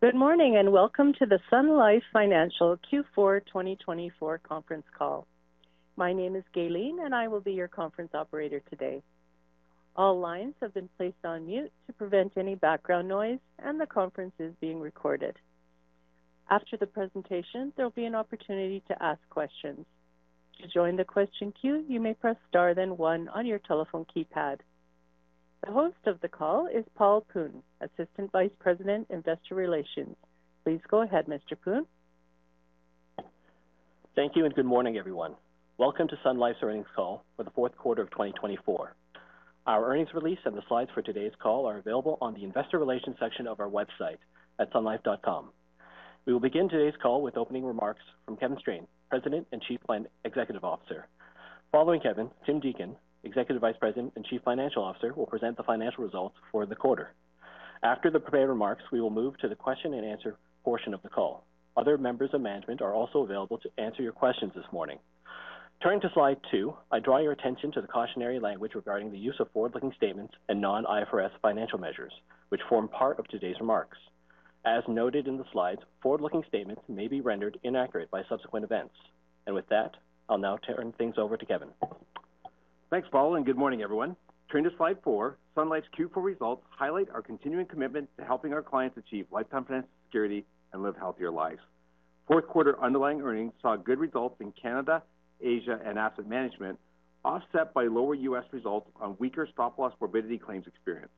Good morning and welcome to the Sun Life Financial Q4 2024 conference call. My name is Gaylene and I will be your conference operator today. All lines have been placed on mute to prevent any background noise and the conference is being recorded. After the presentation, there will be an opportunity to ask questions. To join the question queue, you may press star then one on your telephone keypad. The host of the call is Paul Poon, Assistant Vice President, Investor Relations. Please go ahead, Mr. Poon. Thank you and good morning, everyone. Welcome to Sun Life's earnings call for the fourth quarter of 2024. Our earnings release and the slides for today's call are available on the Investor Relations section of our website at sunlife.com. We will begin today's call with opening remarks from Kevin Strain, President and Chief Executive Officer. Following Kevin, Tim Deacon, Executive Vice President and Chief Financial Officer, will present the financial results for the quarter. After the prepared remarks, we will move to the question and answer portion of the call. Other members of management are also available to answer your questions this morning. Turning to slide two, I draw your attention to the cautionary language regarding the use of forward-looking statements and non-IFRS financial measures, which form part of today's remarks. As noted in the slides, forward-looking statements may be rendered inaccurate by subsequent events. With that, I'll now turn things over to Kevin. Thanks, Paul, and good morning, everyone. Turning to slide four, Sun Life's Q4 results highlight our continuing commitment to helping our clients achieve lifetime financial security and live healthier lives. Fourth quarter underlying earnings saw good results in Canada, Asia, and asset management, offset by lower U.S. results on weaker stop-loss morbidity claims experience.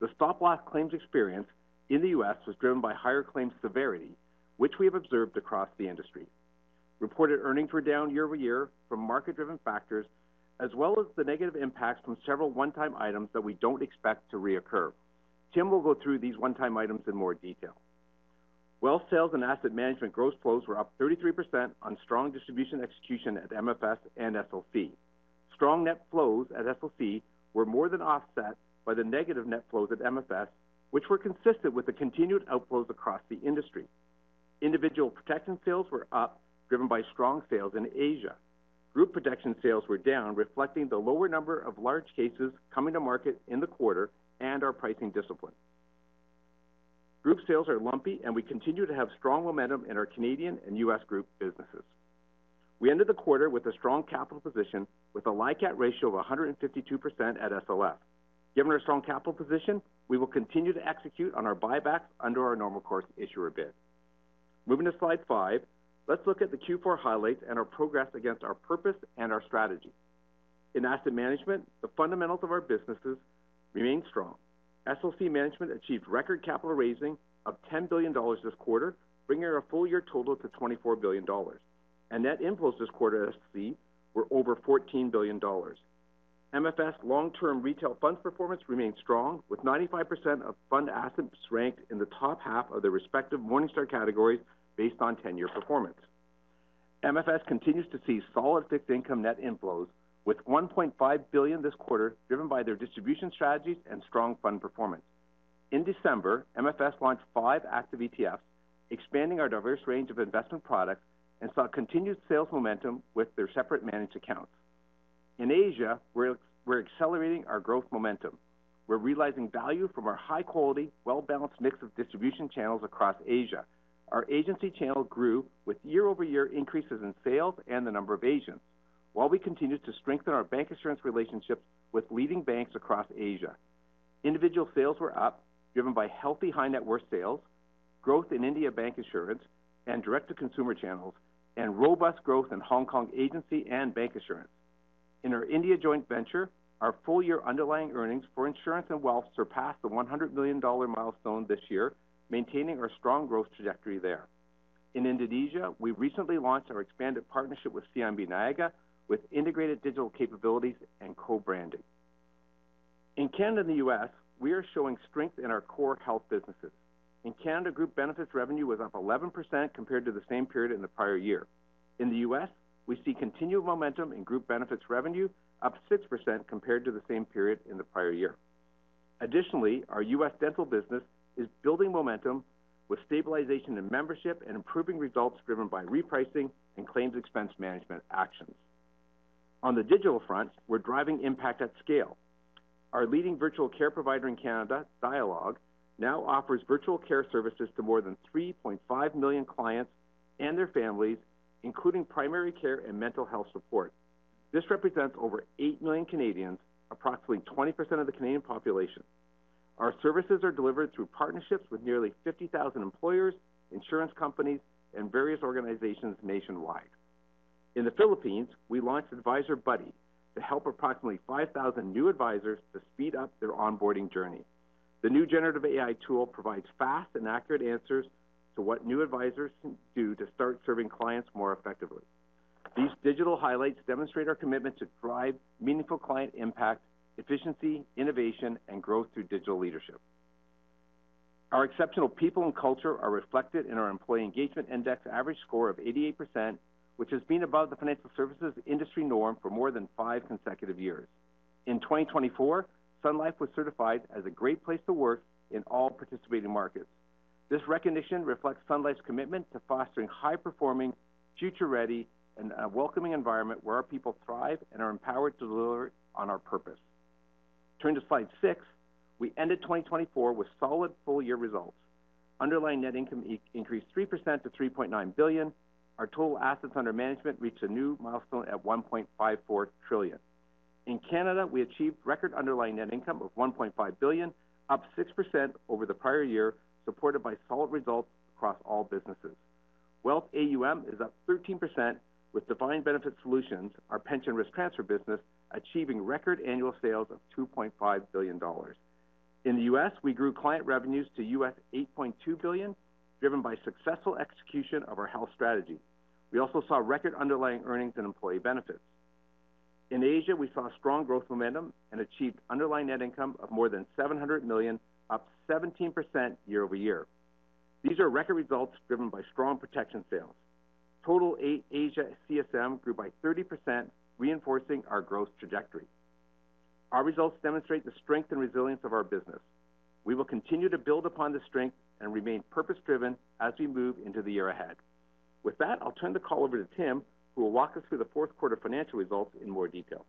The stop-loss claims experience in the U.S. was driven by higher claims severity, which we have observed across the industry. Reported earnings were down year-over-year from market-driven factors, as well as the negative impacts from several one-time items that we don't expect to reoccur. Tim will go through these one-time items in more detail. Sales and asset management gross flows were up 33% on strong distribution execution at MFS and SLC. Strong net flows at SLC were more than offset by the negative net flows at MFS, which were consistent with the continued outflows across the industry. Individual protection sales were up, driven by strong sales in Asia. Group protection sales were down, reflecting the lower number of large cases coming to market in the quarter and our pricing discipline. Group sales are lumpy, and we continue to have strong momentum in our Canadian and U.S. group businesses. We ended the quarter with a strong capital position with a LICAT ratio of 152% at SLF. Given our strong capital position, we will continue to execute on our buybacks under our normal course this year a bit. Moving to slide five, let's look at the Q4 highlights and our progress against our purpose and our strategy. In asset management, the fundamentals of our businesses remain strong. SLC Management achieved record capital raising of 10 billion dollars this quarter, bringing our full-year total to 24 billion dollars, and net inflows this quarter at SLC were over 14 billion dollars. MFS' long-term retail funds performance remains strong, with 95% of fund assets ranked in the top half of their respective Morningstar categories based on 10-year performance. MFS continues to see solid fixed income net inflows, with 1.5 billion this quarter, driven by their distribution strategies and strong fund performance. In December, MFS launched five active ETFs, expanding our diverse range of investment products and saw continued sales momentum with their separate managed accounts. In Asia, we're accelerating our growth momentum. We're realizing value from our high-quality, well-balanced mix of distribution channels across Asia. Our agency channel grew with year-over-year increases in sales and the number of agents, while we continued to strengthen our bank assurance relationships with leading banks across Asia. Individual sales were up, driven by healthy high-net-worth sales, growth in India bank assurance and direct-to-consumer channels, and robust growth in Hong Kong agency and bank assurance. In our India joint venture, our full-year underlying earnings for insurance and wealth surpassed the $100 million milestone this year, maintaining our strong growth trajectory there. In Indonesia, we recently launched our expanded partnership with CIMB Niaga with integrated digital capabilities and co-branding. In Canada and the U.S., we are showing strength in our core health businesses. In Canada, group benefits revenue was up 11% compared to the same period in the prior year. In the U.S., we see continued momentum in group benefits revenue, up 6% compared to the same period in the prior year. Additionally, our U.S. dental business is building momentum with stabilization in membership and improving results driven by repricing and claims expense management actions. On the digital front, we're driving impact at scale. Our leading virtual care provider in Canada, Dialogue, now offers virtual care services to more than 3.5 million clients and their families, including primary care and mental health support. This represents over 8 million Canadians, approximately 20% of the Canadian population. Our services are delivered through partnerships with nearly 50,000 employers, insurance companies, and various organizations nationwide. In the Philippines, we launched Advisor Buddy to help approximately 5,000 new advisors to speed up their onboarding journey. The new generative AI tool provides fast and accurate answers to what new advisors do to start serving clients more effectively. These digital highlights demonstrate our commitment to drive meaningful client impact, efficiency, innovation, and growth through digital leadership. Our exceptional people and culture are reflected in our employee engagement index average score of 88%, which has been above the financial services industry norm for more than five consecutive years. In 2024, Sun Life was certified as a great place to work in all participating markets. This recognition reflects Sun Life's commitment to fostering high-performing, future-ready, and welcoming environment where our people thrive and are empowered to deliver on our purpose. Turning to slide six, we ended 2024 with solid full-year results. Underlying net income increased 3% to 3.9 billion. Our total assets under management reached a new milestone at 1.54 trillion. In Canada, we achieved record underlying net income of 1.5 billion, up 6% over the prior year, supported by solid results across all businesses. Wealth AUM is up 13%, with Defined Benefit Solutions, our pension risk transfer business, achieving record annual sales of 2.5 billion dollars. In the U.S., we grew client revenues to $8.2 billion, driven by successful execution of our health strategy. We also saw record underlying earnings and employee benefits. In Asia, we saw strong growth momentum and achieved underlying net income of more than 700 million, up 17% year-over-year. These are record results driven by strong protection sales. Total Asia CSM grew by 30%, reinforcing our growth trajectory. Our results demonstrate the strength and resilience of our business. We will continue to build upon this strength and remain purpose-driven as we move into the year ahead. With that, I'll turn the call over to Tim, who will walk us through the fourth quarter financial results in more detail.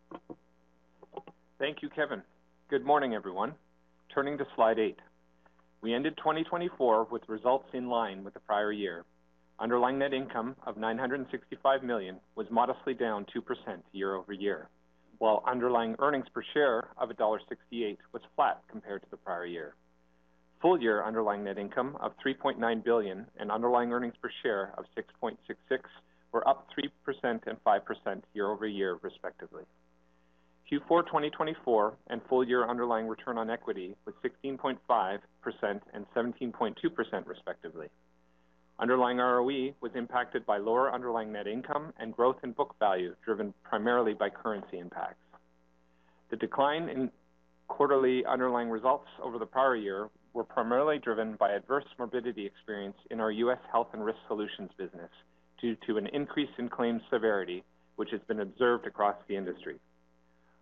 Thank you, Kevin. Good morning, everyone. Turning to slide eight, we ended 2024 with results in line with the prior year. Underlying net income of 965 million was modestly down 2% year-over-year, while underlying earnings per share of dollar 1.68 was flat compared to the prior year. Full-year underlying net income of 3.9 billion and underlying earnings per share of 6.66 were up 3% and 5% year-over-year, respectively. Q4 2024 and full-year underlying return on equity was 16.5% and 17.2%, respectively. Underlying ROE was impacted by lower underlying net income and growth in book value, driven primarily by currency impacts. The decline in quarterly underlying results over the prior year was primarily driven by adverse morbidity experience in our U.S. health and risk solutions business due to an increase in claims severity, which has been observed across the industry.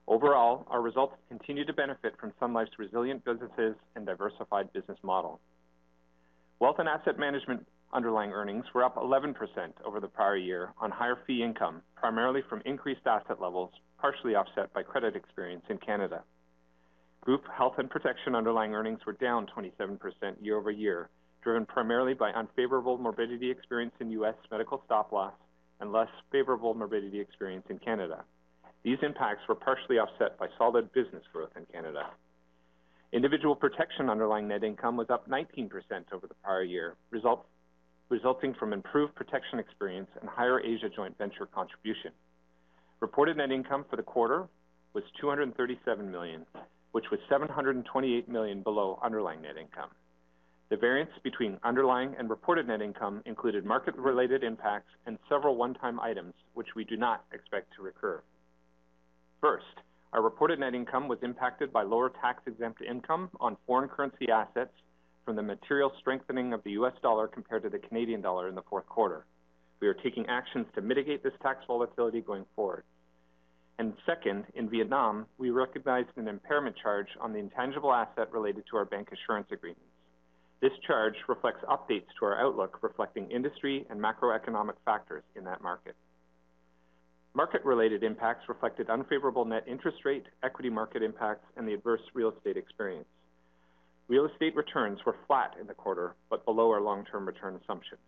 Overall, our results continue to benefit from Sun Life's resilient businesses and diversified business model. Wealth and asset management underlying earnings were up 11% over the prior year on higher fee income, primarily from increased asset levels, partially offset by credit experience in Canada. Group health and protection underlying earnings were down 27% year-over-year, driven primarily by unfavorable morbidity experience in U.S. medical stop-loss and less favorable morbidity experience in Canada. These impacts were partially offset by solid business growth in Canada. Individual protection underlying net income was up 19% over the prior year, resulting from improved protection experience and higher Asia joint venture contribution. Reported net income for the quarter was 237 million, which was 728 million below underlying net income. The variance between underlying and reported net income included market-related impacts and several one-time items, which we do not expect to recur. First, our reported net income was impacted by lower tax-exempt income on foreign currency assets from the material strengthening of the U.S. dollar compared to the Canadian dollar in the fourth quarter. We are taking actions to mitigate this tax volatility going forward, and second, in Vietnam, we recognized an impairment charge on the intangible asset related to our bank assurance agreements. This charge reflects updates to our outlook, reflecting industry and macroeconomic factors in that market. Market-related impacts reflected unfavorable net interest rate, equity market impacts, and the adverse real estate experience. Real estate returns were flat in the quarter, but below our long-term return assumptions.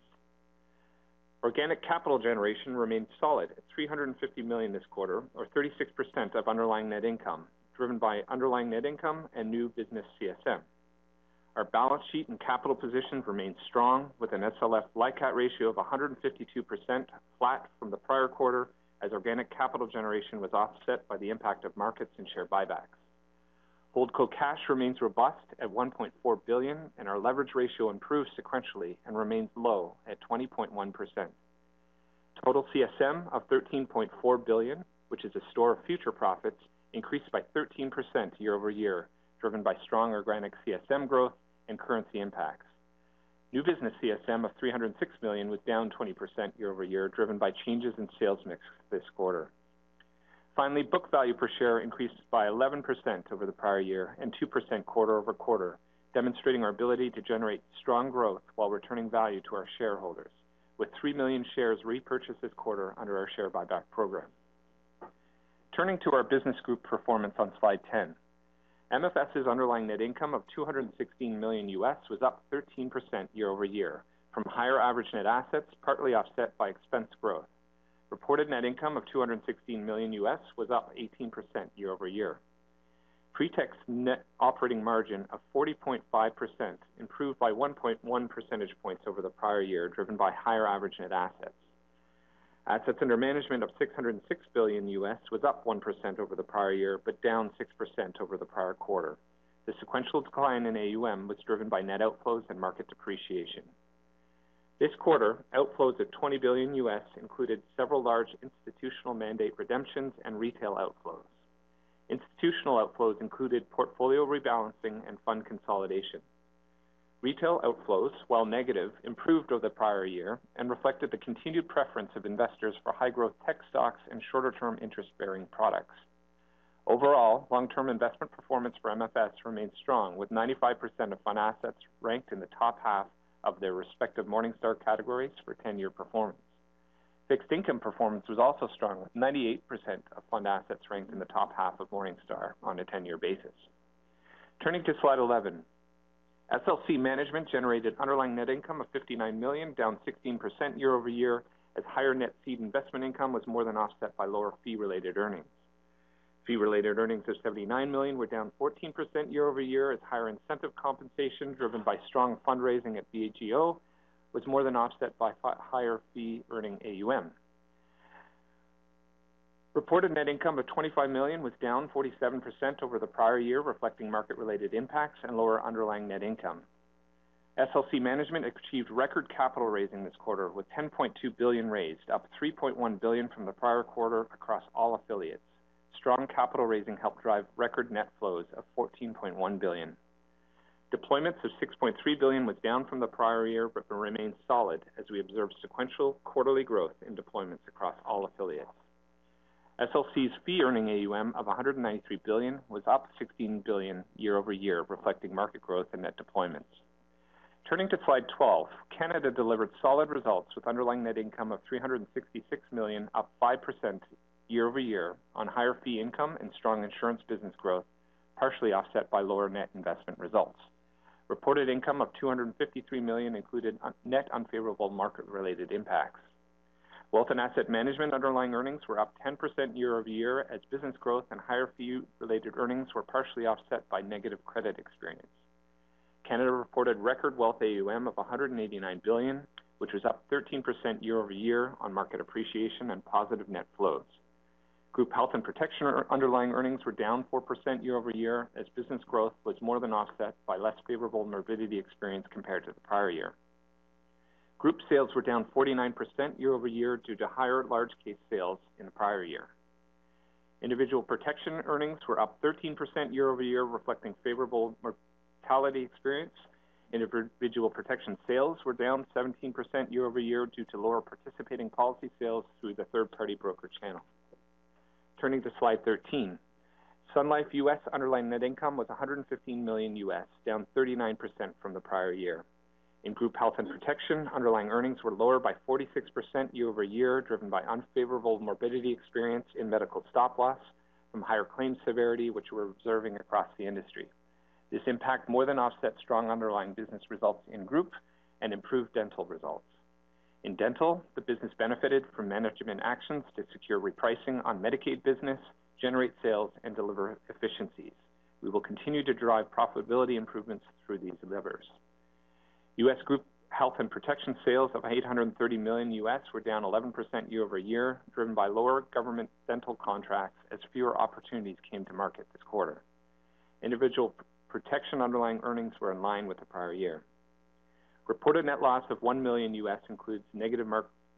Organic capital generation remained solid at 350 million this quarter, or 36% of underlying net income, driven by underlying net income and new business CSM. Our balance sheet and capital position remained strong, with an SLF/LICAT ratio of 152%, flat from the prior quarter, as organic capital generation was offset by the impact of markets and share buybacks. HoldCo Cash remains robust at $1.4 billion, and our leverage ratio improves sequentially and remains low at 20.1%. Total CSM of $13.4 billion, which is a store of future profits, increased by 13% year-over-year, driven by strong organic CSM growth and currency impacts. New business CSM of $306 million was down 20% year-over-year, driven by changes in sales mix this quarter. Finally, book value per share increased by 11% over the prior year and 2% quarter-over-quarter, demonstrating our ability to generate strong growth while returning value to our shareholders, with three million shares repurchased this quarter under our share buyback program. Turning to our business group performance on slide 10, MFS' underlying net income of $216 million was up 13% year-over-year from higher average net assets, partly offset by expense growth. Reported net income of $216 million was up 18% year-over-year. Pretax net operating margin of 40.5% improved by 1.1 percentage points over the prior year, driven by higher average net assets. Assets under management of $606 billion was up 1% over the prior year, but down 6% over the prior quarter. The sequential decline in AUM was driven by net outflows and market depreciation. This quarter, outflows of $20 billion included several large institutional mandate redemptions and retail outflows. Institutional outflows included portfolio rebalancing and fund consolidation. Retail outflows, while negative, improved over the prior year and reflected the continued preference of investors for high-growth tech stocks and shorter-term interest-bearing products. Overall, long-term investment performance for MFS remained strong, with 95% of fund assets ranked in the top half of their respective Morningstar categories for 10-year performance. Fixed income performance was also strong, with 98% of fund assets ranked in the top half of Morningstar on a 10-year basis. Turning to slide 11, SLC Management generated underlying net income of 59 million, down 16% year-over-year, as higher net seed investment income was more than offset by lower fee-related earnings. Fee-related earnings of 79 million were down 14% year-over-year, as higher incentive compensation, driven by strong fundraising at BGO, was more than offset by higher fee-earning AUM. Reported net income of 25 million was down 47% over the prior year, reflecting market-related impacts and lower underlying net income. SLC Management achieved record capital raising this quarter, with 10.2 billion raised, up 3.1 billion from the prior quarter across all affiliates. Strong capital raising helped drive record net flows of 14.1 billion. Deployments of 6.3 billion was down from the prior year, but remained solid, as we observed sequential quarterly growth in deployments across all affiliates. SLC's fee-earning AUM of CAD 193 billion was up 16 billion year-over-year, reflecting market growth and net deployments. Turning to slide 12, Canada delivered solid results with underlying net income of 366 million, up 5% year-over-year on higher fee income and strong insurance business growth, partially offset by lower net investment results. Reported income of 253 million included net unfavorable market-related impacts. Wealth and asset management underlying earnings were up 10% year-over-year, as business growth and higher fee-related earnings were partially offset by negative credit experience. Canada reported record wealth AUM of 189 billion, which was up 13% year-over-year on market appreciation and positive net flows. Group health and protection underlying earnings were down 4% year-over-year, as business growth was more than offset by less favorable morbidity experience compared to the prior year. Group sales were down 49% year-over-year due to higher large-case sales in the prior year. Individual protection earnings were up 13% year-over-year, reflecting favorable mortality experience. Individual protection sales were down 17% year-over-year due to lower participating policy sales through the third-party broker channel. Turning to slide 13, Sun Life U.S. underlying net income was $115 million, down 39% from the prior year. In group health and protection, underlying earnings were lower by 46% year-over-year, driven by unfavorable morbidity experience in medical stop-loss from higher claims severity, which we're observing across the industry. This impact more than offset strong underlying business results in group and improved dental results. In dental, the business benefited from management actions to secure repricing on Medicaid business, generate sales, and deliver efficiencies. We will continue to drive profitability improvements through these levers. U.S. group health and protection sales of $830 million U.S. were down 11% year-over-year, driven by lower government dental contracts, as fewer opportunities came to market this quarter. Individual protection underlying earnings were in line with the prior year. Reported net loss of $1 million U.S. includes negative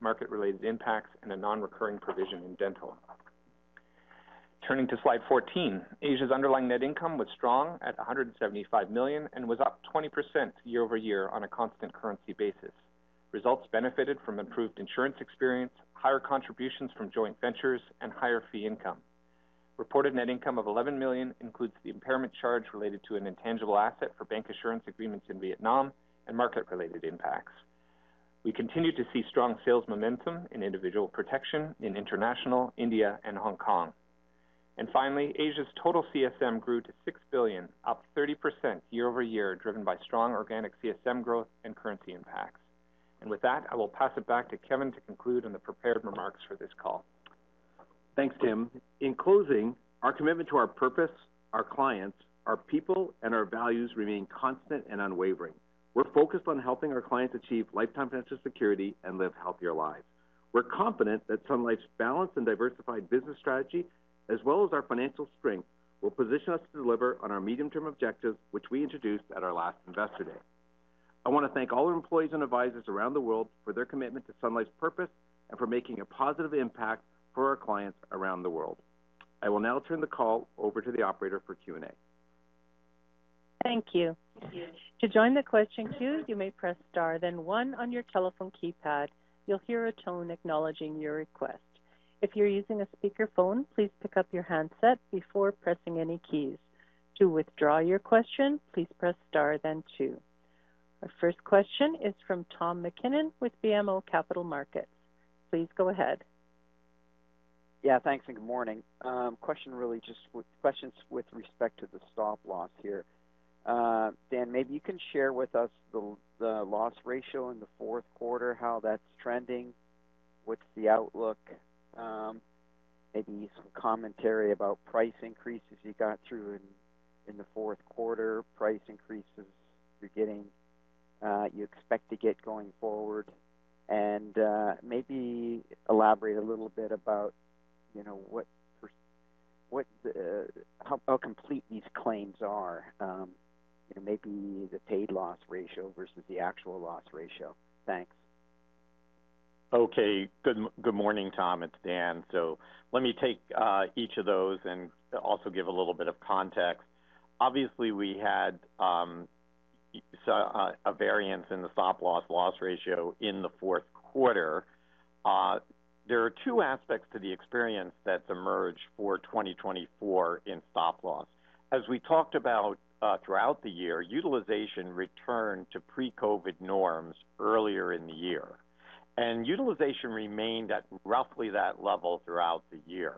market-related impacts and a non-recurring provision in dental. Turning to slide 14, Asia's underlying net income was strong at $175 million and was up 20% year-over-year on a constant currency basis. Results benefited from improved insurance experience, higher contributions from joint ventures, and higher fee income. Reported net income of $11 million includes the impairment charge related to an intangible asset for bank assurance agreements in Vietnam and market-related impacts. We continue to see strong sales momentum in individual protection in international, India, and Hong Kong. And finally, Asia's total CSM grew to $6 billion, up 30% year-over-year, driven by strong organic CSM growth and currency impacts. And with that, I will pass it back to Kevin to conclude on the prepared remarks for this call. Thanks, Tim. In closing, our commitment to our purpose, our clients, our people, and our values remain constant and unwavering. We're focused on helping our clients achieve lifetime financial security and live healthier lives. We're confident that Sun Life's balanced and diversified business strategy, as well as our financial strength, will position us to deliver on our medium-term objectives, which we introduced at our last investor day. I want to thank all our employees and advisors around the world for their commitment to Sun Life's purpose and for making a positive impact for our clients around the world. I will now turn the call over to the operator for Q&A. Thank you. To join the question queue, you may press star, then one on your telephone keypad. You'll hear a tone acknowledging your request. If you're using a speakerphone, please pick up your handset before pressing any keys. To withdraw your question, please press star, then two. Our first question is from Tom McKinnon with BMO Capital Markets. Please go ahead. Yeah, thanks, and good morning. Question really just questions with respect to the stop-loss here. Dan, maybe you can share with us the loss ratio in the fourth quarter, how that's trending, what's the outlook, maybe some commentary about price increases you got through in the fourth quarter, price increases you're getting, you expect to get going forward, and maybe elaborate a little bit about how complete these claims are, maybe the paid loss ratio versus the actual loss ratio. Thanks. Okay. Good morning, Tom. It's Dan. So let me take each of those and also give a little bit of context. Obviously, we had a variance in the stop-loss loss ratio in the fourth quarter. There are two aspects to the experience that's emerged for 2024 in stop-loss. As we talked about throughout the year, utilization returned to pre-COVID norms earlier in the year, and utilization remained at roughly that level throughout the year.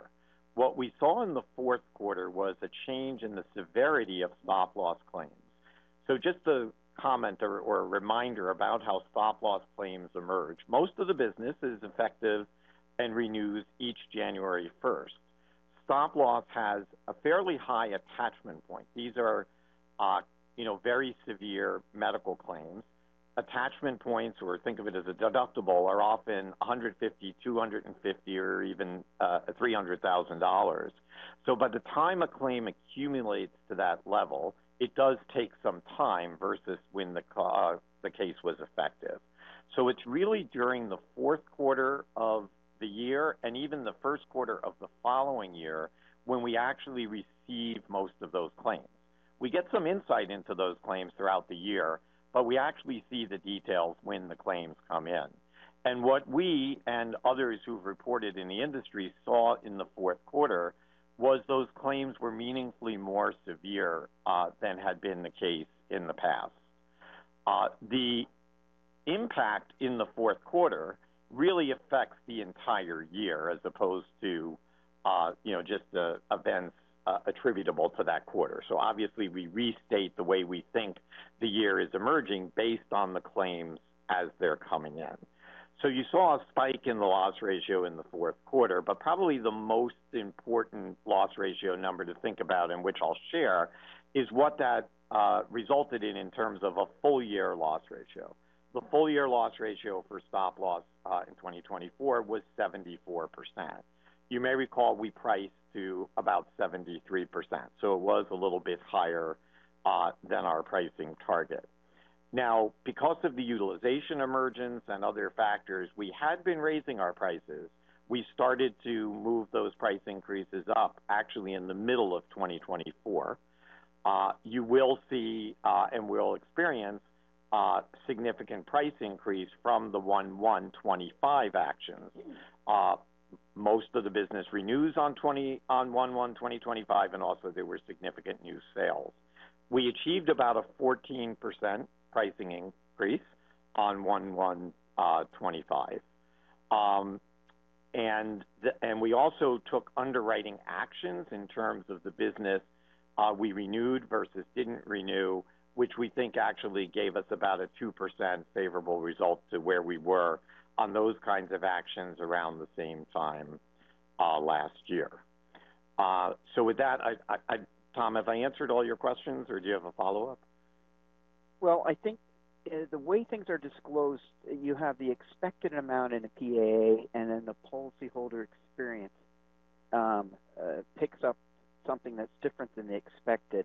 What we saw in the fourth quarter was a change in the severity of stop-loss claims. So just a comment or a reminder about how stop-loss claims emerge. Most of the business is effective and renews each January 1st. Stop-loss has a fairly high attachment point. These are very severe medical claims. Attachment points, or think of it as a deductible, are often $150, $250, or even $300,000. By the time a claim accumulates to that level, it does take some time versus when the case was effective. It's really during the fourth quarter of the year and even the first quarter of the following year when we actually receive most of those claims. We get some insight into those claims throughout the year, but we actually see the details when the claims come in. What we and others who've reported in the industry saw in the fourth quarter was those claims were meaningfully more severe than had been the case in the past. The impact in the fourth quarter really affects the entire year as opposed to just events attributable to that quarter. Obviously, we restate the way we think the year is emerging based on the claims as they're coming in. So you saw a spike in the loss ratio in the fourth quarter, but probably the most important loss ratio number to think about, and which I'll share, is what that resulted in in terms of a full-year loss ratio. The full-year loss ratio for stop-loss in 2024 was 74%. You may recall we priced to about 73%, so it was a little bit higher than our pricing target. Now, because of the utilization emergence and other factors, we had been raising our prices. We started to move those price increases up actually in the middle of 2024. You will see and will experience significant price increase from the 1/1/2025 actions. Most of the business renews on 1/1/2025, and also there were significant new sales. We achieved about a 14% pricing increase on 1/1/2025. We also took underwriting actions in terms of the business we renewed versus didn't renew, which we think actually gave us about a 2% favorable result to where we were on those kinds of actions around the same time last year. With that, Tom, have I answered all your questions, or do you have a follow-up? I think the way things are disclosed, you have the expected amount in the PAA, and then the policyholder experience picks up something that's different than the expected.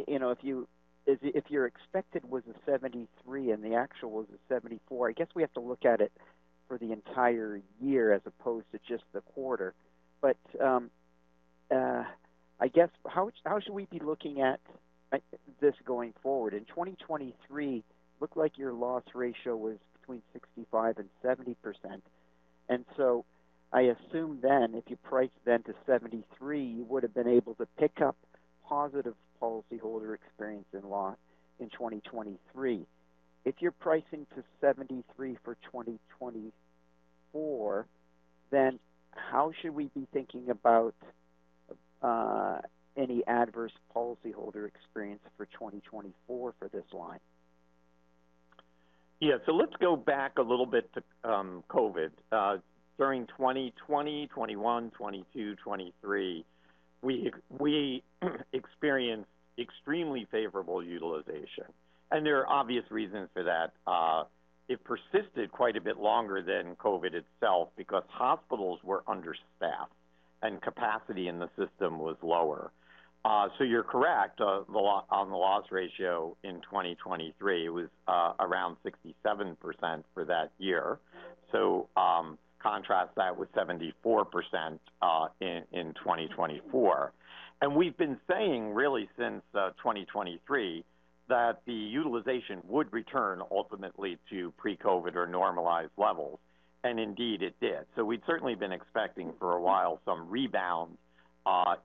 If your expected was a 73 and the actual was a 74, I guess we have to look at it for the entire year as opposed to just the quarter. But I guess how should we be looking at this going forward? In 2023, it looked like your loss ratio was between 65% and 70%. And so I assume then if you priced then to 73, you would have been able to pick up positive policyholder experience in loss in 2023. If you're pricing to 73 for 2024, then how should we be thinking about any adverse policyholder experience for 2024 for this line? Yeah. So let's go back a little bit to COVID. During 2020, 21, 22, 23, we experienced extremely favorable utilization. And there are obvious reasons for that. It persisted quite a bit longer than COVID itself because hospitals were understaffed and capacity in the system was lower. So you're correct on the loss ratio in 2023. It was around 67% for that year. So contrast that with 74% in 2024. And we've been saying really since 2023 that the utilization would return ultimately to pre-COVID or normalized levels. And indeed, it did. So we'd certainly been expecting for a while some rebound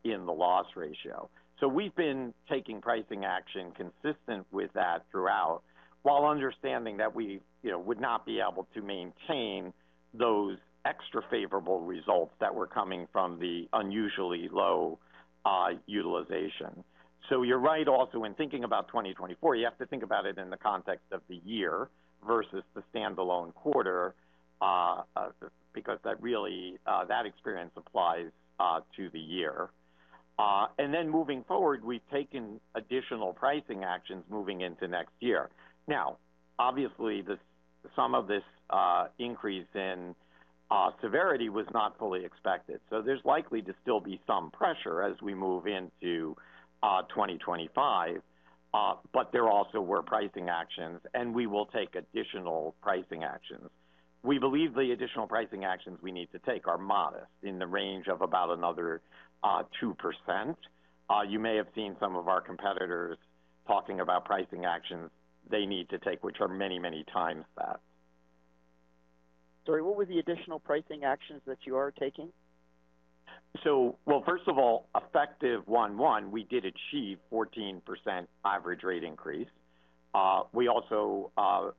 in the loss ratio. So we've been taking pricing action consistent with that throughout while understanding that we would not be able to maintain those extra favorable results that were coming from the unusually low utilization. So you're right also when thinking about 2024, you have to think about it in the context of the year versus the standalone quarter because that really experience applies to the year. And then moving forward, we've taken additional pricing actions moving into next year. Now, obviously, some of this increase in severity was not fully expected. So there's likely to still be some pressure as we move into 2025, but there also were pricing actions, and we will take additional pricing actions. We believe the additional pricing actions we need to take are modest in the range of about another 2%. You may have seen some of our competitors talking about pricing actions they need to take, which are many, many times that. Sorry, what were the additional pricing actions that you are taking? First of all, effective 1/1, we did achieve 14% average rate increase. We also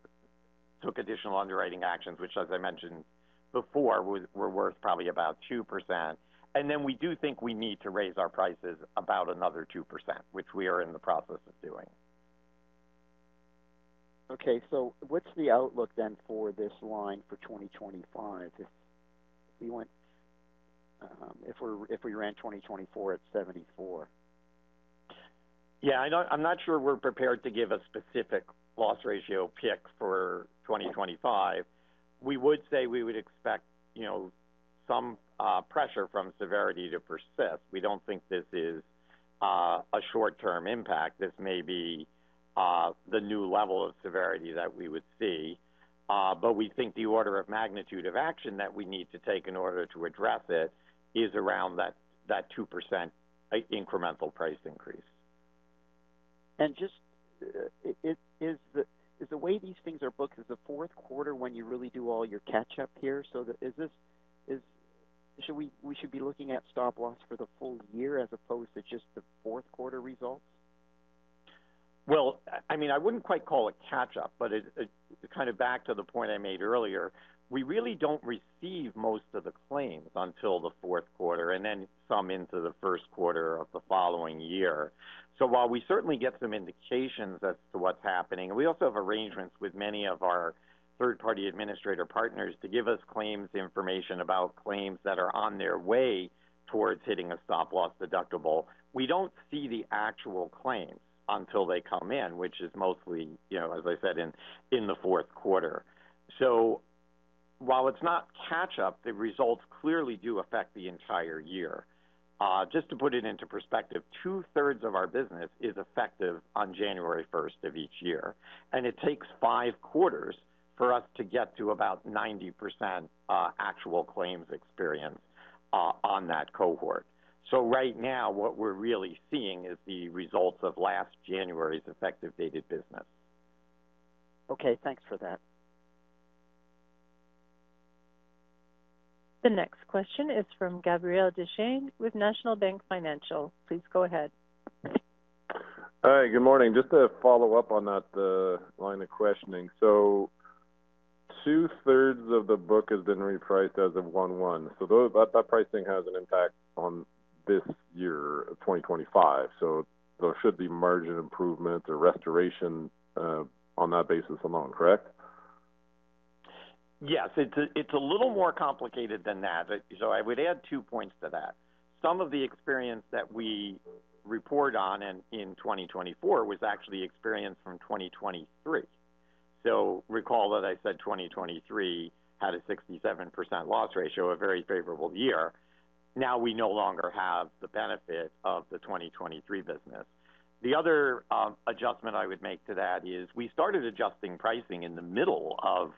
took additional underwriting actions, which, as I mentioned before, were worth probably about 2%. And then we do think we need to raise our prices about another 2%, which we are in the process of doing. Okay. So what's the outlook then for this line for 2025 if we ran 2024 at 74? Yeah. I'm not sure we're prepared to give a specific loss ratio pick for 2025. We would say we would expect some pressure from severity to persist. We don't think this is a short-term impact. This may be the new level of severity that we would see. But we think the order of magnitude of action that we need to take in order to address it is around that 2% incremental price increase. And just is the way these things are booked is the fourth quarter when you really do all your catch-up here? So should we be looking at stop-loss for the full year as opposed to just the fourth quarter results? Well, I mean, I wouldn't quite call it catch-up, but kind of back to the point I made earlier, we really don't receive most of the claims until the fourth quarter and then some into the first quarter of the following year. So while we certainly get some indications as to what's happening, we also have arrangements with many of our third-party administrator partners to give us claims information about claims that are on their way towards hitting a stop-loss deductible. We don't see the actual claims until they come in, which is mostly, as I said, in the fourth quarter. So while it's not catch-up, the results clearly do affect the entire year. Just to put it into perspective, two-thirds of our business is effective on January 1st of each year. And it takes five quarters for us to get to about 90% actual claims experience on that cohort. So right now, what we're really seeing is the results of last January's effective dated business. Okay. Thanks for that. The next question is from Gabriel Dechaine with National Bank Financial. Please go ahead. Hi. Good morning. Just to follow up on that line of questioning. So two-thirds of the book has been repriced as of 1/1. So that pricing has an impact on this year of 2025. So there should be margin improvements or restoration on that basis alone, correct? Yes. It's a little more complicated than that. So I would add two points to that. Some of the experience that we report on in 2024 was actually experienced from 2023. So recall that I said 2023 had a 67% loss ratio, a very favorable year. Now we no longer have the benefit of the 2023 business. The other adjustment I would make to that is we started adjusting pricing in the middle of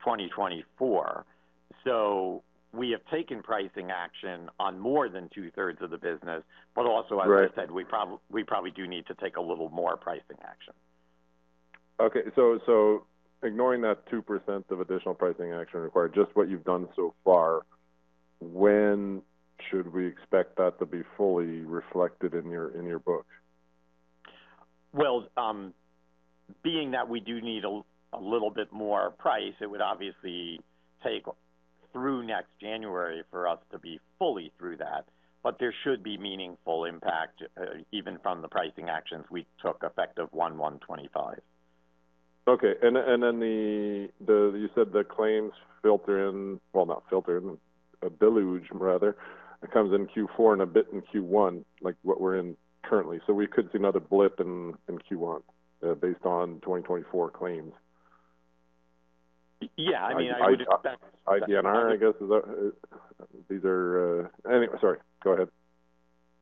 2024. So we have taken pricing action on more than two-thirds of the business, but also, as I said, we probably do need to take a little more pricing action. Okay. So ignoring that 2% of additional pricing action required, just what you've done so far, when should we expect that to be fully reflected in your book? Being that we do need a little bit more price, it would obviously take through next January for us to be fully through that. But there should be meaningful impact even from the pricing actions we took effective 1/ 1/2025. Okay. And then you said the claims filter in, well, not filter in, a deluge rather, that comes in Q4 and a bit in Q1, like what we're in currently. So we could see another blip in Q1 based on 2024 claims. Yeah. I mean, I would expect. INR, I guess, is that these are anyway, sorry. Go ahead.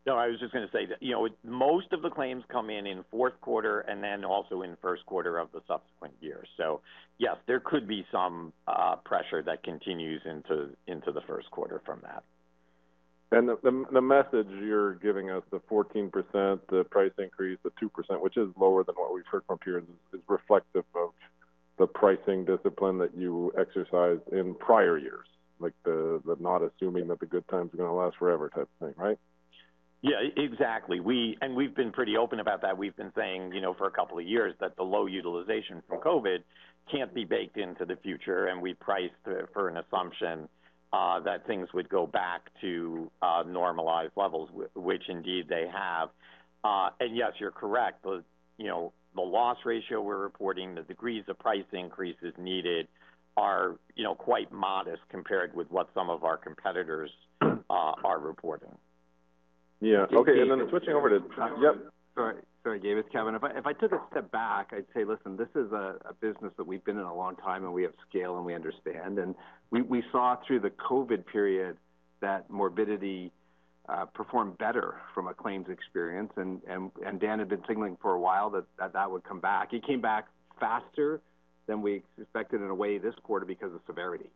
No, I was just going to say that most of the claims come in in fourth quarter and then also in first quarter of the subsequent year. So yes, there could be some pressure that continues into the first quarter from that. The message you're giving us, the 14%, the price increase, the 2%, which is lower than what we've heard from peers, is reflective of the pricing discipline that you exercised in prior years, like the not assuming that the good times are going to last forever type of thing, right? Yeah. Exactly. And we've been pretty open about that. We've been saying for a couple of years that the low utilization from COVID can't be baked into the future. And we priced for an assumption that things would go back to normalized levels, which indeed they have. And yes, you're correct. The loss ratio we're reporting, the degrees of price increases needed are quite modest compared with what some of our competitors are reporting. Yeah. Okay. And then switching over to yep. Sorry, David, Kevin. If I took a step back, I'd say, "Listen, this is a business that we've been in a long time, and we have scale, and we understand." And we saw through the COVID period that morbidity performed better from a claims experience. And Dan had been signaling for a while that that would come back. It came back faster than we expected in a way this quarter because of severity.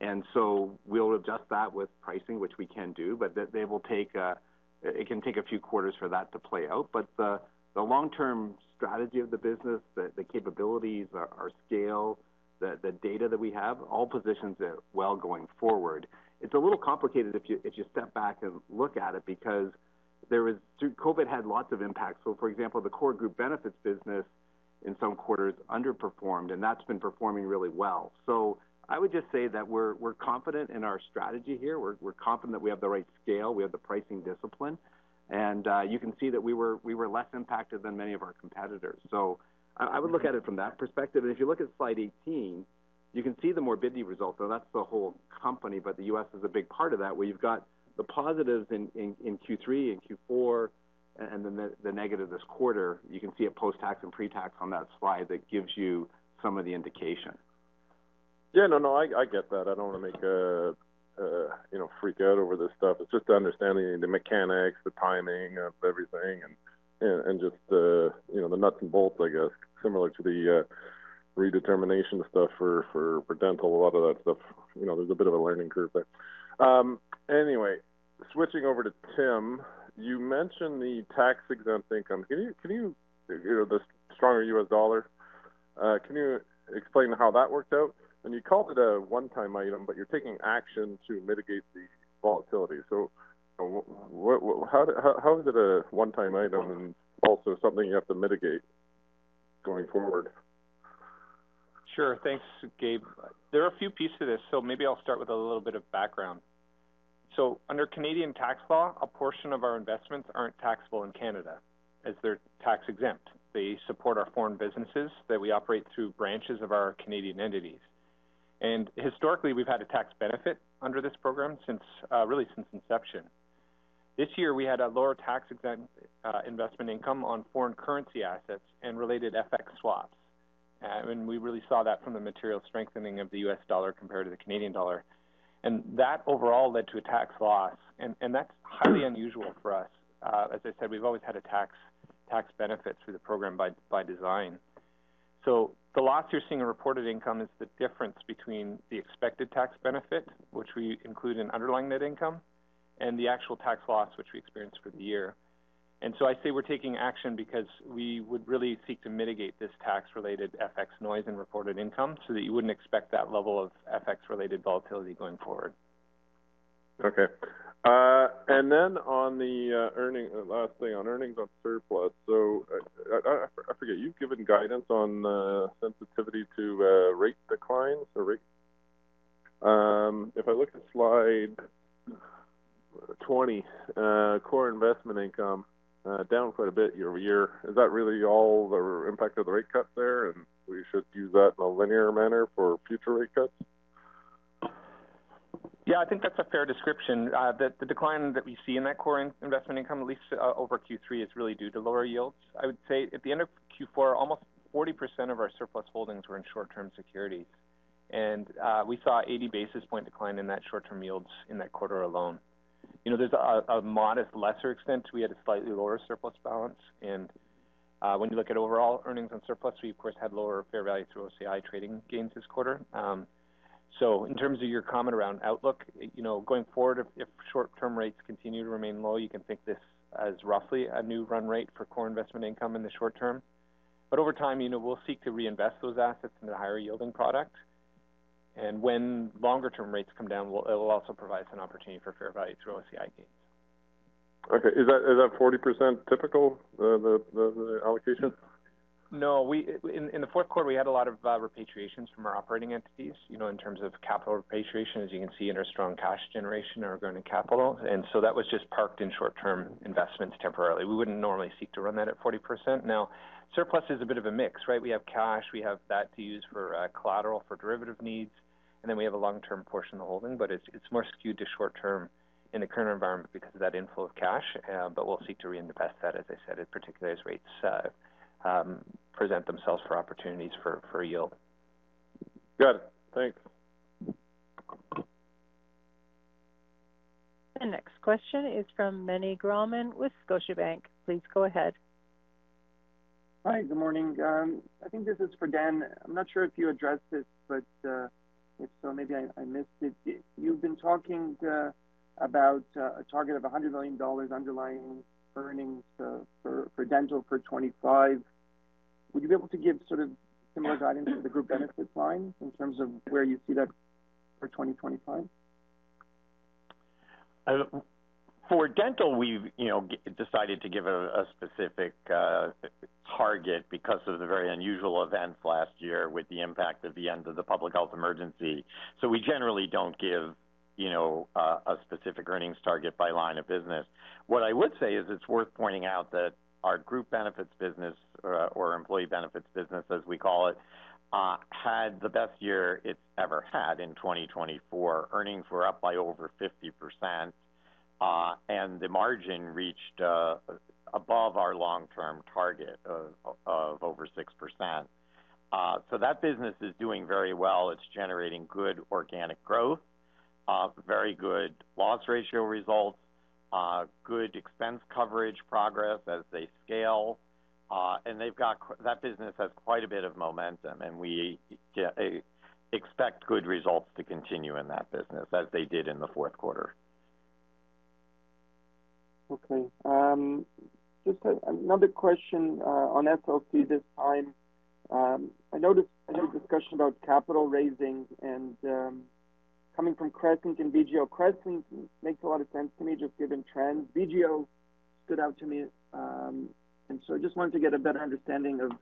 And so we'll adjust that with pricing, which we can do, but it can take a few quarters for that to play out. But the long-term strategy of the business, the capabilities, our scale, the data that we have, all positions well going forward. It's a little complicated if you step back and look at it because COVID had lots of impacts. For example, the core group benefits business in some quarters underperformed, and that's been performing really well. I would just say that we're confident in our strategy here. We're confident that we have the right scale. We have the pricing discipline. You can see that we were less impacted than many of our competitors. I would look at it from that perspective. If you look at slide 18, you can see the morbidity results. That's the whole company, but the U.S. is a big part of that where you've got the positives in Q3 and Q4 and then the negative this quarter. You can see it post-tax and pre-tax on that slide that gives you some of the indication. Yeah. No, no. I get that. I don't want to make a freak out over this stuff. It's just understanding the mechanics, the timing of everything, and just the nuts and bolts, I guess, similar to the redetermination stuff for dental, a lot of that stuff. There's a bit of a learning curve there. Anyway, switching over to Tim, you mentioned the tax-exempt income. Can you hear the stronger U.S. dollar? Can you explain how that worked out? And you called it a one-time item, but you're taking action to mitigate the volatility. So how is it a one-time item and also something you have to mitigate going forward? Sure. Thanks, Gabe. There are a few pieces to this, so maybe I'll start with a little bit of background. So under Canadian tax law, a portion of our investments aren't taxable in Canada as they're tax-exempt. They support our foreign businesses that we operate through branches of our Canadian entities. And historically, we've had a tax benefit under this program really since inception. This year, we had a lower tax-exempt investment income on foreign currency assets and related FX swaps. And we really saw that from the material strengthening of the U.S. dollar compared to the Canadian dollar. And that overall led to a tax loss. And that's highly unusual for us. As I said, we've always had a tax benefit through the program by design. So the loss you're seeing in reported income is the difference between the expected tax benefit, which we include in underlying net income, and the actual tax loss, which we experienced for the year. And so I say we're taking action because we would really seek to mitigate this tax-related FX noise in reported income so that you wouldn't expect that level of FX-related volatility going forward. Okay. And then on the last thing, on earnings on surplus. So I forget. You've given guidance on sensitivity to rate declines. So if I look at slide 20, core investment income down quite a bit year over year. Is that really all the impact of the rate cuts there? And we should use that in a linear manner for future rate cuts? Yeah. I think that's a fair description. The decline that we see in that core investment income, at least over Q3, is really due to lower yields. I would say at the end of Q4, almost 40% of our surplus holdings were in short-term securities. And we saw an 80 basis point decline in that short-term yields in that quarter alone. There's a modest lesser extent to we had a slightly lower surplus balance. And when you look at overall earnings on surplus, we, of course, had lower fair value through OCI trading gains this quarter. So in terms of your comment around outlook, going forward, if short-term rates continue to remain low, you can think of this as roughly a new run rate for core investment income in the short term. But over time, we'll seek to reinvest those assets into higher yielding products. When longer-term rates come down, it'll also provide us an opportunity for fair value through OCI gains. Okay. Is that 40% typical, the allocation? No. In the fourth quarter, we had a lot of repatriations from our operating entities in terms of capital repatriation, as you can see in our strong cash generation or our growing capital. And so that was just parked in short-term investments temporarily. We wouldn't normally seek to run that at 40%. Now, surplus is a bit of a mix, right? We have cash. We have that to use for collateral for derivative needs. And then we have a long-term portion of the holding. But it's more skewed to short-term in the current environment because of that inflow of cash. But we'll seek to reinvest that, as I said, in particular as rates present themselves for opportunities for yield. Got it. Thanks. The next question is from Meny Grauman with Scotiabank. Please go ahead. Hi. Good morning. I think this is for Dan. I'm not sure if you addressed this, but if so, maybe I missed it. You've been talking about a target of $100 million underlying earnings for dental for 2025. Would you be able to give sort of similar guidance to the group benefits line in terms of where you see that for 2025? For dental, we've decided to give a specific target because of the very unusual events last year with the impact of the end of the public health emergency. So we generally don't give a specific earnings target by line of business. What I would say is it's worth pointing out that our group benefits business, or employee benefits business, as we call it, had the best year it's ever had in 2024. Earnings were up by over 50%. And the margin reached above our long-term target of over 6%. So that business is doing very well. It's generating good organic growth, very good loss ratio results, good expense coverage progress as they scale. And that business has quite a bit of momentum. And we expect good results to continue in that business as they did in the fourth quarter. Okay. Just another question on SLC this time. I noticed a discussion about capital raising and coming from Crescent and BGO. Crescent makes a lot of sense to me just given trends. BGO stood out to me. And so I just wanted to get a better understanding of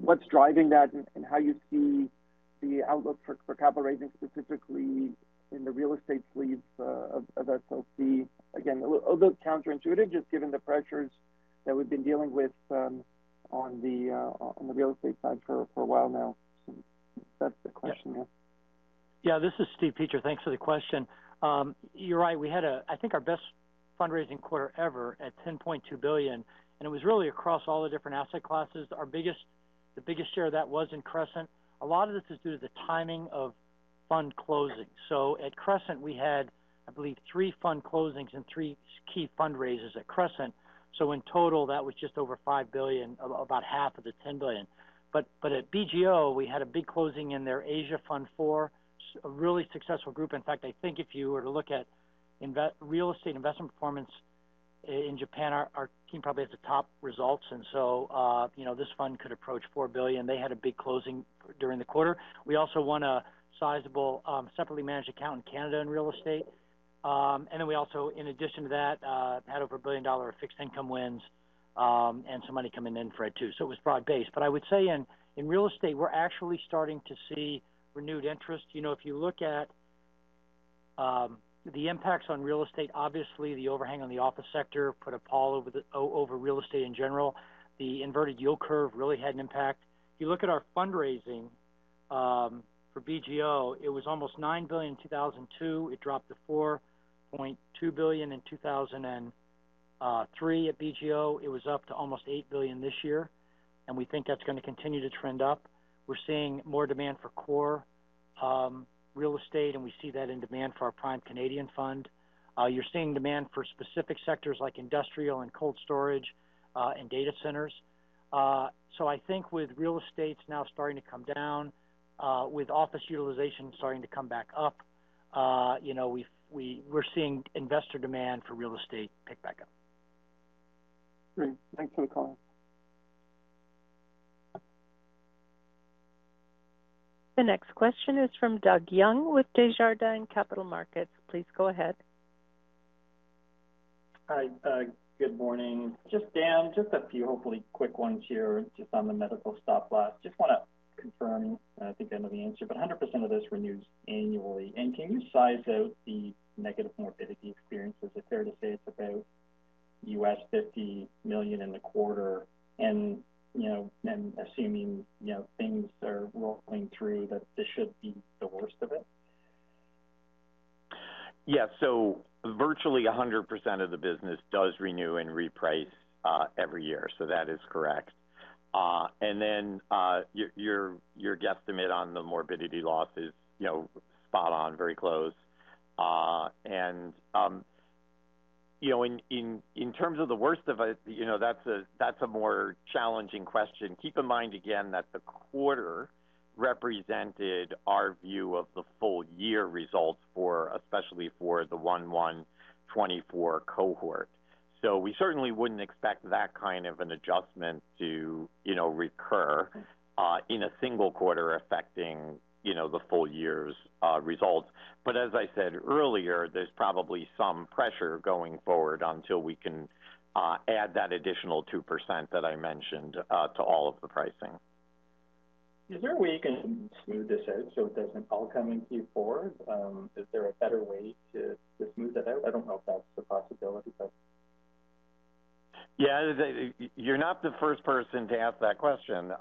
what's driving that and how you see the outlook for capital raising specifically in the real estate sleeve of SLC. Again, a little counterintuitive just given the pressures that we've been dealing with on the real estate side for a while now. So that's the question. Yeah. Yeah. This is Steve Peacher. Thanks for the question. You're right. We had, I think, our best fundraising quarter ever at 10.2 billion, and it was really across all the different asset classes. The biggest share of that was in Crescent. A lot of this is due to the timing of fund closing. So at Crescent, we had, I believe, three fund closings and three key fundraisers at Crescent. So in total, that was just over 5 billion, about half of the 10 billion, but at BGO, we had a big closing in their Asia Fund 4, a really successful group. In fact, I think if you were to look at real estate investment performance in Japan, our team probably has the top results, and so this fund could approach 4 billion. They had a big closing during the quarter. We also won a sizable separately managed account in Canada in real estate, and then we also, in addition to that, had over a billion-dollar fixed income wins and some money coming in for it too, so it was broad-based, but I would say in real estate, we're actually starting to see renewed interest. If you look at the impacts on real estate, obviously, the overhang on the office sector put a pall over real estate in general. The inverted yield curve really had an impact. If you look at our fundraising for BGO, it was almost 9 billion in 2002. It dropped to 4.2 billion in 2003 at BGO. It was up to almost 8 billion this year, and we think that's going to continue to trend up. We're seeing more demand for core real estate, and we see that in demand for our Prime Canadian Fund. You're seeing demand for specific sectors like industrial and cold storage and data centers. So I think with real estate now starting to come down, with office utilization starting to come back up, we're seeing investor demand for real estate pick back up. Great. Thanks for the call. The next question is from Doug Young with Desjardins Capital Markets. Please go ahead. Hi. Good morning. Just, Dan, just a few hopefully quick ones here just on the Medical Stop-Loss. Just want to confirm, and I think I know the answer, but 100% of this renews annually, and can you size out the negative morbidity experiences? Is it fair to say it's about $50 million in the quarter? Assuming things are rolling through, that this should be the worst of it? Yeah. So virtually 100% of the business does renew and reprice every year. So that is correct. And then your guesstimate on the morbidity loss is spot on, very close. And in terms of the worst of it, that's a more challenging question. Keep in mind, again, that the quarter represented our view of the full year results, especially for the 1-1-2024 cohort. So we certainly wouldn't expect that kind of an adjustment to recur in a single quarter affecting the full year's results. But as I said earlier, there's probably some pressure going forward until we can add that additional 2% that I mentioned to all of the pricing. Is there a way you can smooth this out so it doesn't all come into you forward? Is there a better way to smooth that out? I don't know if that's a possibility, but. Yeah. You're not the first person to ask that question.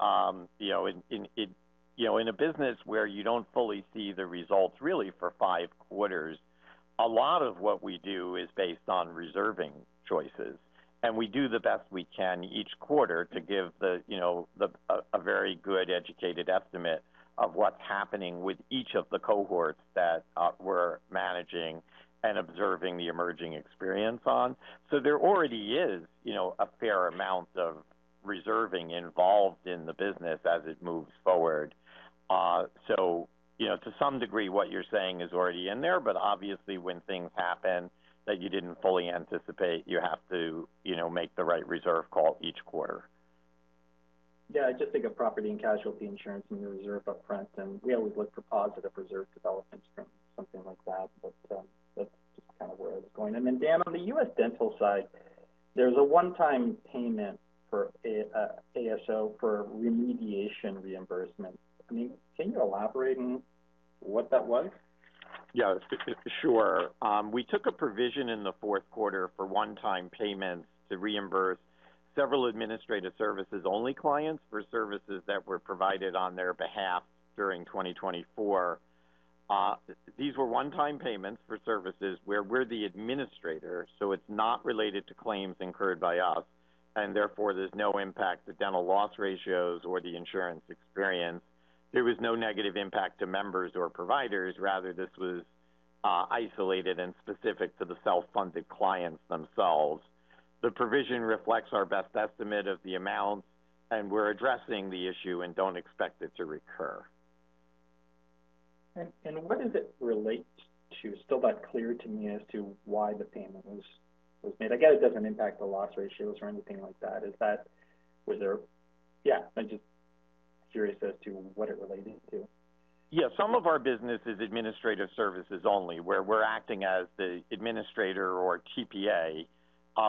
In a business where you don't fully see the results really for five quarters, a lot of what we do is based on reserving choices. And we do the best we can each quarter to give a very good educated estimate of what's happening with each of the cohorts that we're managing and observing the emerging experience on. So there already is a fair amount of reserving involved in the business as it moves forward. So to some degree, what you're saying is already in there. But obviously, when things happen that you didn't fully anticipate, you have to make the right reserve call each quarter. Yeah. I just think of property and casualty insurance and the reserve upfront. And we always look for positive reserve developments from something like that. But that's just kind of where I was going. And then, Dan, on the U.S. dental side, there's a one-time payment for ASO for remediation reimbursement. I mean, can you elaborate on what that was? Yeah. Sure. We took a provision in the fourth quarter for one-time payments to reimburse several administrative services-only clients for services that were provided on their behalf during 2024. These were one-time payments for services where we're the administrator. So it's not related to claims incurred by us. And therefore, there's no impact to dental loss ratios or the insurance experience. There was no negative impact to members or providers. Rather, this was isolated and specific to the self-funded clients themselves. The provision reflects our best estimate of the amounts. And we're addressing the issue and don't expect it to recur. What does it relate to? Still not clear to me as to why the payment was made. I guess it doesn't impact the loss ratios or anything like that. Was there? Yeah. I'm just curious as to what it related to. Yeah. Some of our business is administrative services-only where we're acting as the administrator or TPA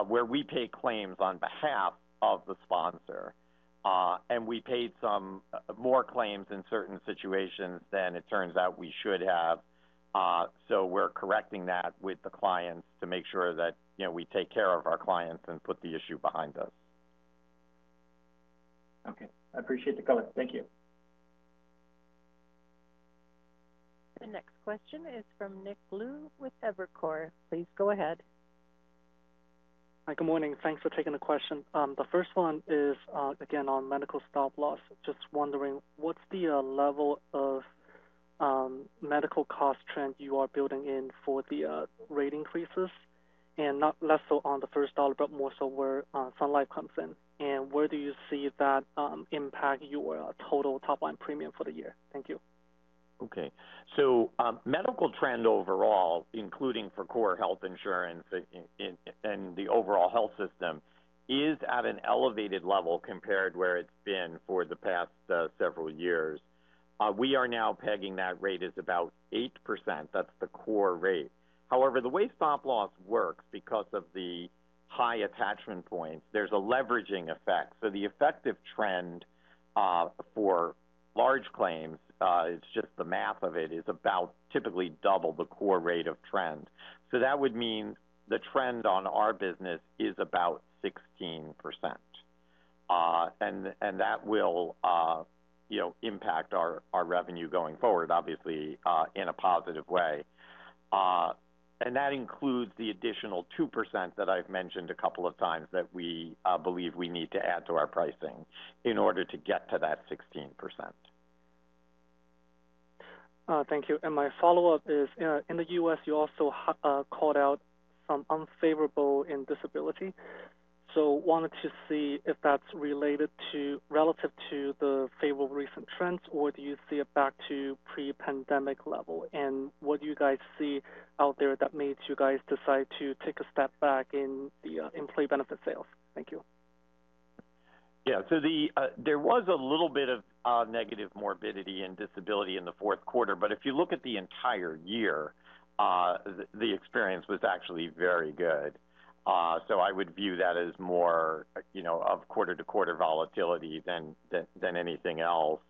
where we pay claims on behalf of the sponsor. And we paid some more claims in certain situations than it turns out we should have. So we're correcting that with the clients to make sure that we take care of our clients and put the issue behind us. Okay. I appreciate the comment. Thank you. The next question is from Nick Pletz with Evercore. Please go ahead. Hi. Good morning. Thanks for taking the question. The first one is, again, on medical stop loss. Just wondering what's the level of medical cost trend you are building in for the rate increases? And not less so on the first dollar, but more so where Sun Life comes in. And where do you see that impact your total top-line premium for the year? Thank you. Okay. So medical trend overall, including for core health insurance and the overall health system, is at an elevated level compared to where it's been for the past several years. We are now pegging that rate as about 8%. That's the core rate. However, the way stop loss works, because of the high attachment points, there's a leveraging effect. So the effective trend for large claims, it's just the math of it, is about typically double the core rate of trend. So that would mean the trend on our business is about 16%. And that will impact our revenue going forward, obviously, in a positive way. And that includes the additional 2% that I've mentioned a couple of times that we believe we need to add to our pricing in order to get to that 16%. Thank you. And my follow-up is, in the U.S., you also called out some unfavorable in disability. So wanted to see if that's related relative to the favorable recent trends, or do you see it back to pre-pandemic level? And what do you guys see out there that made you guys decide to take a step back in the employee benefit sales? Thank you. Yeah. So there was a little bit of negative morbidity and disability in the fourth quarter. But if you look at the entire year, the experience was actually very good. So I would view that as more of quarter-to-quarter volatility than anything else.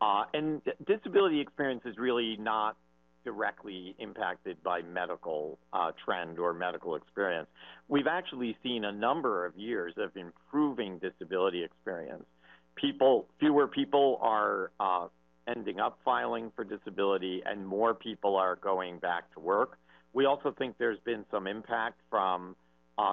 And disability experience is really not directly impacted by medical trend or medical experience. We've actually seen a number of years of improving disability experience. Fewer people are ending up filing for disability, and more people are going back to work. We also think there's been some impact from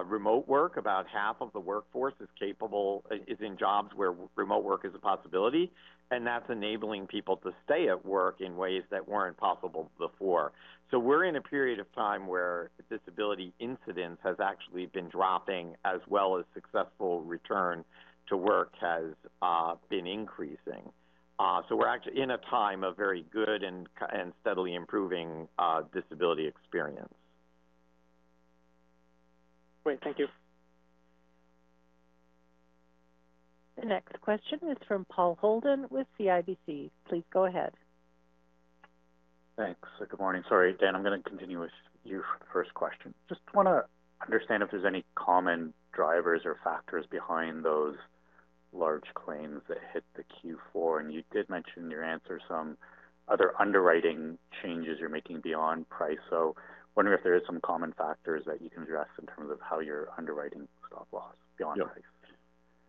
remote work. About half of the workforce is in jobs where remote work is a possibility. And that's enabling people to stay at work in ways that weren't possible before. So we're in a period of time where disability incidence has actually been dropping, as well as successful return to work has been increasing. So we're actually in a time of very good and steadily improving disability experience. Great. Thank you. The next question is from Paul Holden with CIBC. Please go ahead. Thanks. Good morning. Sorry, Dan. I'm going to continue with your first question. Just want to understand if there's any common drivers or factors behind those large claims that hit the Q4, and you did mention in your answer some other underwriting changes you're making beyond price, so wondering if there are some common factors that you can address in terms of how you're underwriting stop loss beyond price.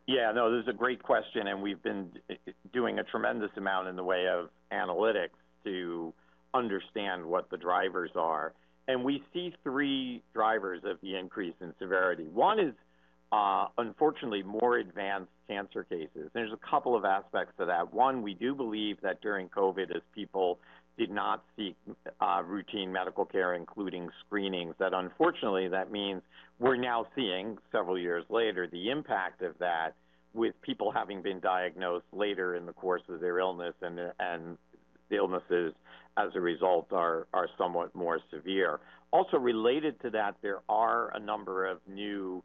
Yeah. No, this is a great question. And we've been doing a tremendous amount in the way of analytics to understand what the drivers are. And we see three drivers of the increase in severity. One is, unfortunately, more advanced cancer cases. There's a couple of aspects to that. One, we do believe that during COVID, as people did not seek routine medical care, including screenings, that unfortunately, that means we're now seeing, several years later, the impact of that with people having been diagnosed later in the course of their illness. And the illnesses, as a result, are somewhat more severe. Also related to that, there are a number of new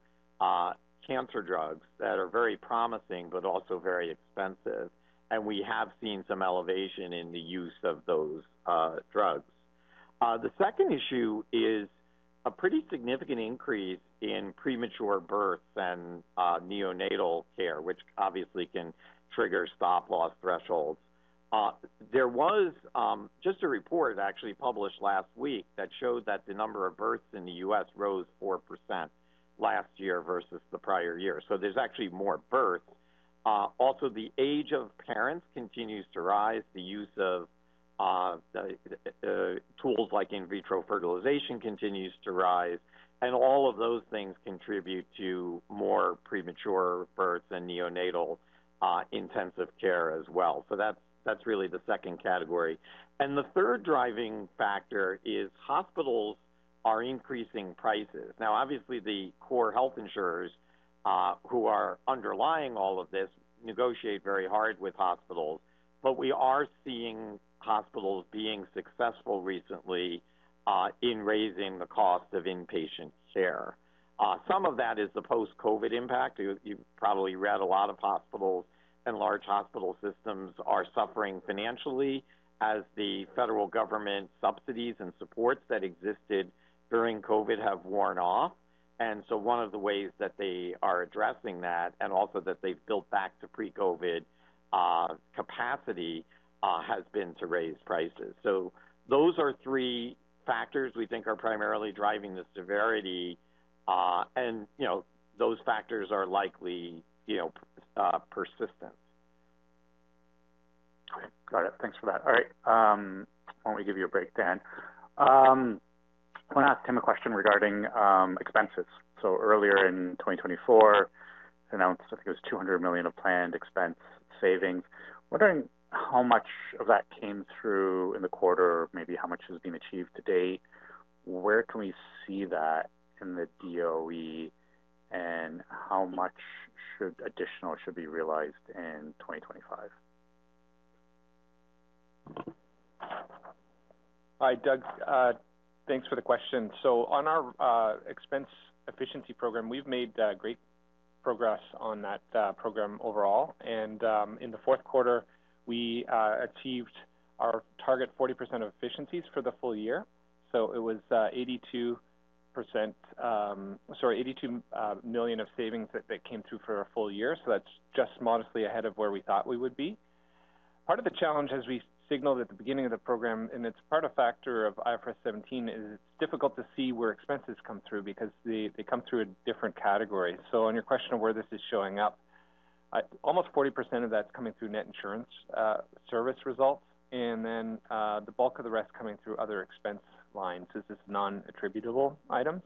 cancer drugs that are very promising but also very expensive. And we have seen some elevation in the use of those drugs. The second issue is a pretty significant increase in premature births and neonatal care, which obviously can trigger stop loss thresholds. There was just a report actually published last week that showed that the number of births in the U.S. rose 4% last year versus the prior year. So there's actually more births. Also, the age of parents continues to rise. The use of tools like in vitro fertilization continues to rise. And all of those things contribute to more premature births and neonatal intensive care as well. So that's really the second category. And the third driving factor is hospitals are increasing prices. Now, obviously, the core health insurers who are underlying all of this negotiate very hard with hospitals. But we are seeing hospitals being successful recently in raising the cost of inpatient care. Some of that is the post-COVID impact. You've probably read a lot about hospitals, and large hospital systems are suffering financially as the federal government subsidies and supports that existed during COVID have worn off. One of the ways that they are addressing that and also that they've built back to pre-COVID capacity has been to raise prices. Those are three factors we think are primarily driving the severity. Those factors are likely persistent. Okay. Got it. Thanks for that. All right. Why don't we give you a break, Dan? I want to ask Tim a question regarding expenses. So earlier in 2024, announced I think it was 200 million of planned expense savings. Wondering how much of that came through in the quarter, maybe how much has been achieved to date. Where can we see that in the DOE, and how much additional should be realized in 2025? Hi, Doug. Thanks for the question. So on our expense efficiency program, we've made great progress on that program overall. And in the fourth quarter, we achieved our target 40% of efficiencies for the full year. So it was 82 million of savings that came through for a full year. So that's just modestly ahead of where we thought we would be. Part of the challenge, as we signaled at the beginning of the program, and it's part of a factor of IFRS 17, is it's difficult to see where expenses come through because they come through a different category. So on your question of where this is showing up, almost 40% of that's coming through net insurance service results. And then the bulk of the rest coming through other expense lines as non-attributable items.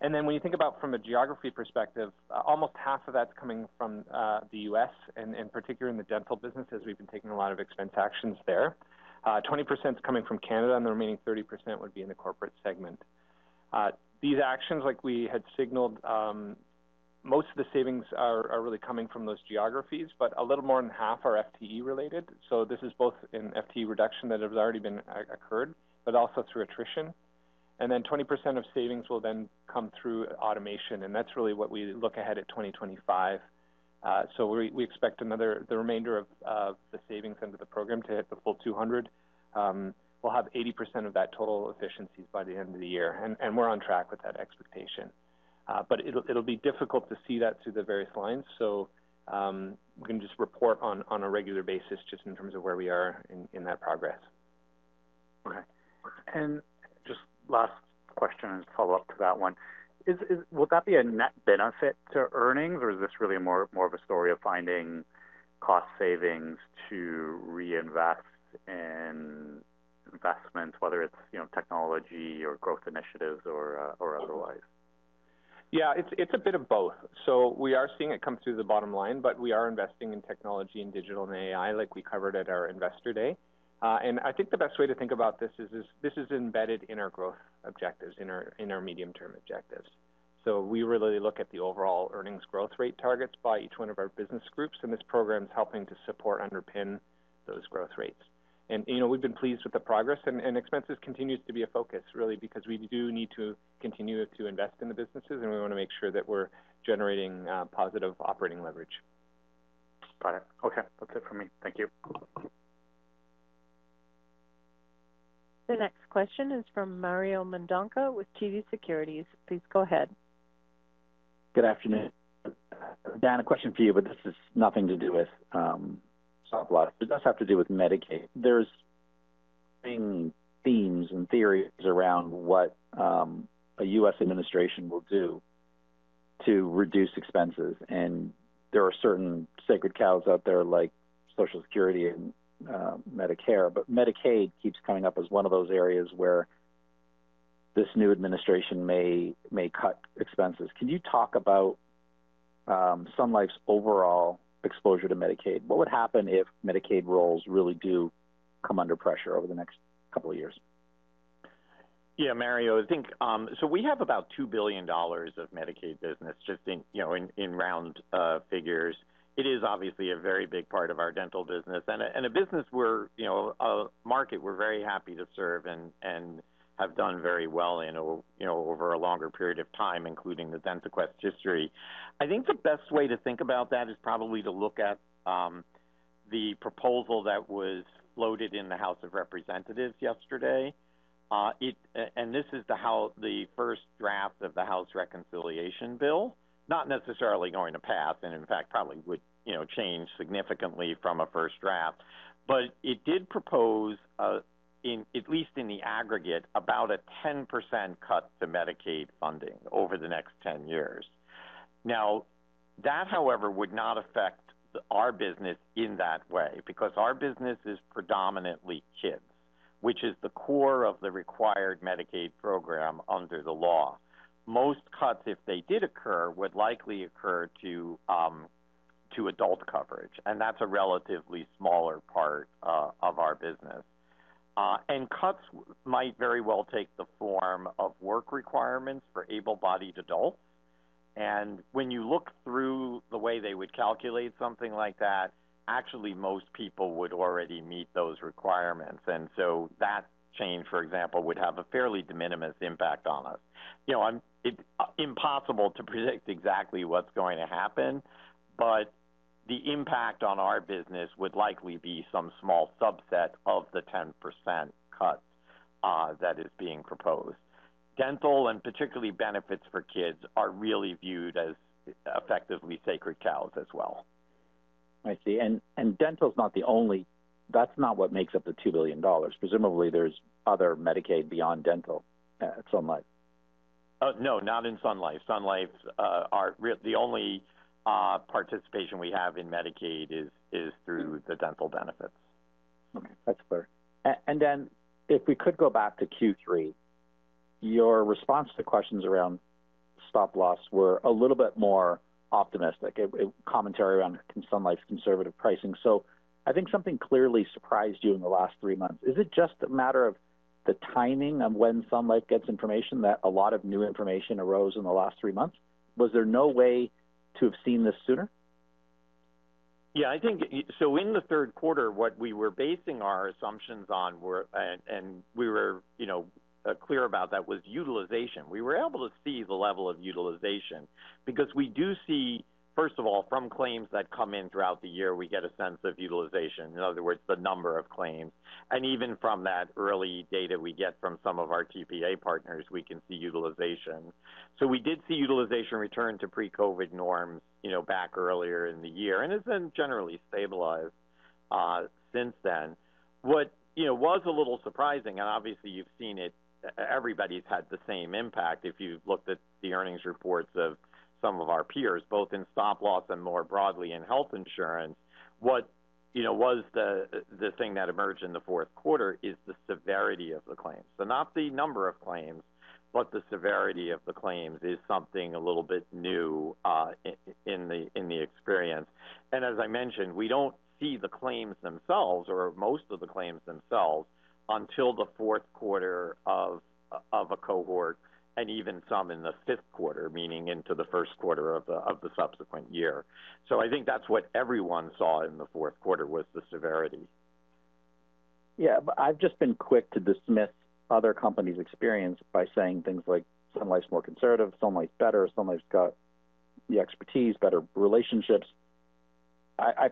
Then when you think about from a geography perspective, almost half of that's coming from the U.S., and in particular in the dental business, as we've been taking a lot of expense actions there. 20% is coming from Canada, and the remaining 30% would be in the corporate segment. These actions, like we had signaled, most of the savings are really coming from those geographies, but a little more than half are FTE-related. So this is both in FTE reduction that has already occurred, but also through attrition. Then 20% of savings will then come through automation. And that's really what we look ahead at 2025. So we expect the remainder of the savings under the program to hit the full 200. We'll have 80% of that total efficiencies by the end of the year. And we're on track with that expectation. But it'll be difficult to see that through the various lines. So we're going to just report on a regular basis just in terms of where we are in that progress. Okay. And just last question and follow-up to that one. Would that be a net benefit to earnings, or is this really more of a story of finding cost savings to reinvest in investments, whether it's technology or growth initiatives or otherwise? Yeah. It's a bit of both. So we are seeing it come through the bottom line, but we are investing in technology and digital and AI, like we covered at our investor day. And I think the best way to think about this is this is embedded in our growth objectives, in our medium-term objectives. So we really look at the overall earnings growth rate targets by each one of our business groups. And this program's helping to support, underpin those growth rates. And we've been pleased with the progress. And expenses continues to be a focus, really, because we do need to continue to invest in the businesses. And we want to make sure that we're generating positive operating leverage. Got it. Okay. That's it for me. Thank you. The next question is from Mario Mendonca with TD Securities. Please go ahead. Good afternoon. Dan, a question for you, but this has nothing to do with stop loss. It does have to do with Medicaid. There's been themes and theories around what a U.S. administration will do to reduce expenses. And there are certain sacred cows out there, like Social Security and Medicare. But Medicaid keeps coming up as one of those areas where this new administration may cut expenses. Can you talk about Sun Life's overall exposure to Medicaid? What would happen if Medicaid rolls really do come under pressure over the next couple of years? Yeah, Mario, I think so we have about $2 billion of Medicaid business just in round figures. It is obviously a very big part of our dental business and a business, a market we're very happy to serve and have done very well in over a longer period of time, including the DentaQuest history. I think the best way to think about that is probably to look at the proposal that was floated in the House of Representatives yesterday, and this is the first draft of the House reconciliation bill, not necessarily going to pass and, in fact, probably would change significantly from a first draft, but it did propose, at least in the aggregate, about a 10% cut to Medicaid funding over the next 10 years. Now, that, however, would not affect our business in that way because our business is predominantly kids, which is the core of the required Medicaid program under the law. Most cuts, if they did occur, would likely occur to adult coverage. And that's a relatively smaller part of our business. And cuts might very well take the form of work requirements for able-bodied adults. And when you look through the way they would calculate something like that, actually, most people would already meet those requirements. And so that change, for example, would have a fairly de minimis impact on us. It's impossible to predict exactly what's going to happen, but the impact on our business would likely be some small subset of the 10% cut that is being proposed. Dental and particularly benefits for kids are really viewed as effectively sacred cows as well. I see. And dental's not the only. That's not what makes up the $2 billion. Presumably, there's other Medicaid beyond dental at Sun Life? No, not in Sun Life. Sun Life, the only participation we have in Medicaid is through the dental benefits. Okay. That's clear. And then, if we could go back to Q3, your response to questions around stop loss were a little bit more optimistic, commentary around Sun Life's conservative pricing. So I think something clearly surprised you in the last three months. Is it just a matter of the timing of when Sun Life gets information that a lot of new information arose in the last three months? Was there no way to have seen this sooner? Yeah. So in the third quarter, what we were basing our assumptions on, and we were clear about that, was utilization. We were able to see the level of utilization because we do see, first of all, from claims that come in throughout the year, we get a sense of utilization. In other words, the number of claims. And even from that early data we get from some of our TPA partners, we can see utilization. So we did see utilization return to pre-COVID norms back earlier in the year. And it's then generally stabilized since then. What was a little surprising, and obviously, you've seen it, everybody's had the same impact. If you've looked at the earnings reports of some of our peers, both in stop loss and more broadly in health insurance, what was the thing that emerged in the fourth quarter is the severity of the claims. Not the number of claims, but the severity of the claims is something a little bit new in the experience. As I mentioned, we don't see the claims themselves or most of the claims themselves until the fourth quarter of a cohort and even some in the fifth quarter, meaning into the first quarter of the subsequent year. I think that's what everyone saw in the fourth quarter was the severity. Yeah. But I've just been quick to dismiss other companies' experience by saying things like Sun Life's more conservative, Sun Life's better, Sun Life's got the expertise, better relationships.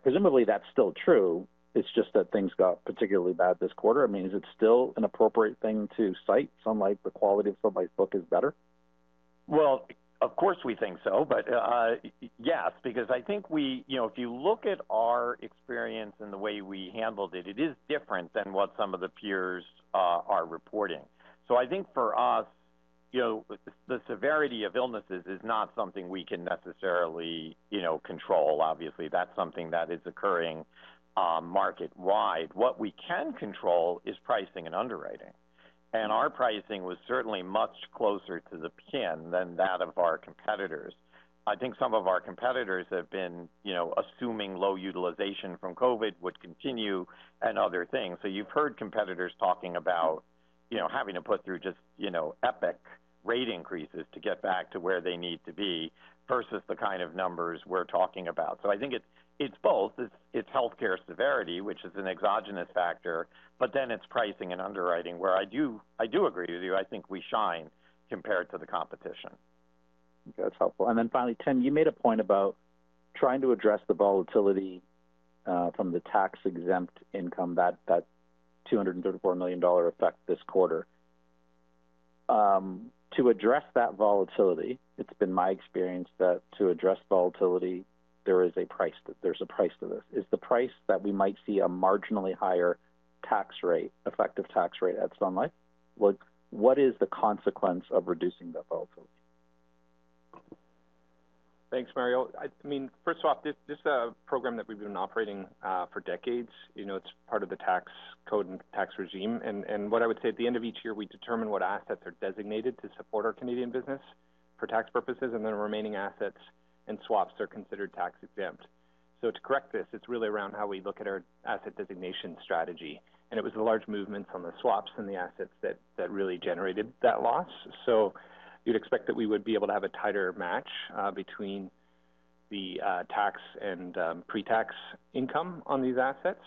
Presumably, that's still true. It's just that things got particularly bad this quarter. I mean, is it still an appropriate thing to cite Sun Life? The quality of Sun Life's book is better? Of course, we think so. But yes, because I think if you look at our experience and the way we handled it, it is different than what some of the peers are reporting. So I think for us, the severity of illnesses is not something we can necessarily control. Obviously, that's something that is occurring market-wide. What we can control is pricing and underwriting. And our pricing was certainly much closer to the pin than that of our competitors. I think some of our competitors have been assuming low utilization from COVID would continue and other things. So you've heard competitors talking about having to put through just epic rate increases to get back to where they need to be versus the kind of numbers we're talking about. So I think it's both. It's healthcare severity, which is an exogenous factor, but then it's pricing and underwriting where I do agree with you. I think we shine compared to the competition. That's helpful, and then finally, Tim, you made a point about trying to address the volatility from the tax-exempt income, that 234 million dollar effect this quarter. To address that volatility, it's been my experience that to address volatility, there is a price to this. Is the price that we might see a marginally higher tax rate, effective tax rate at Sun Life? What is the consequence of reducing that volatility? Thanks, Mario. I mean, first off, this program that we've been operating for decades, it's part of the tax code and tax regime. And what I would say at the end of each year, we determine what assets are designated to support our Canadian business for tax purposes, and then remaining assets and swaps are considered tax-exempt. So to correct this, it's really around how we look at our asset designation strategy. And it was the large movements on the swaps and the assets that really generated that loss. So you'd expect that we would be able to have a tighter match between the tax and pre-tax income on these assets.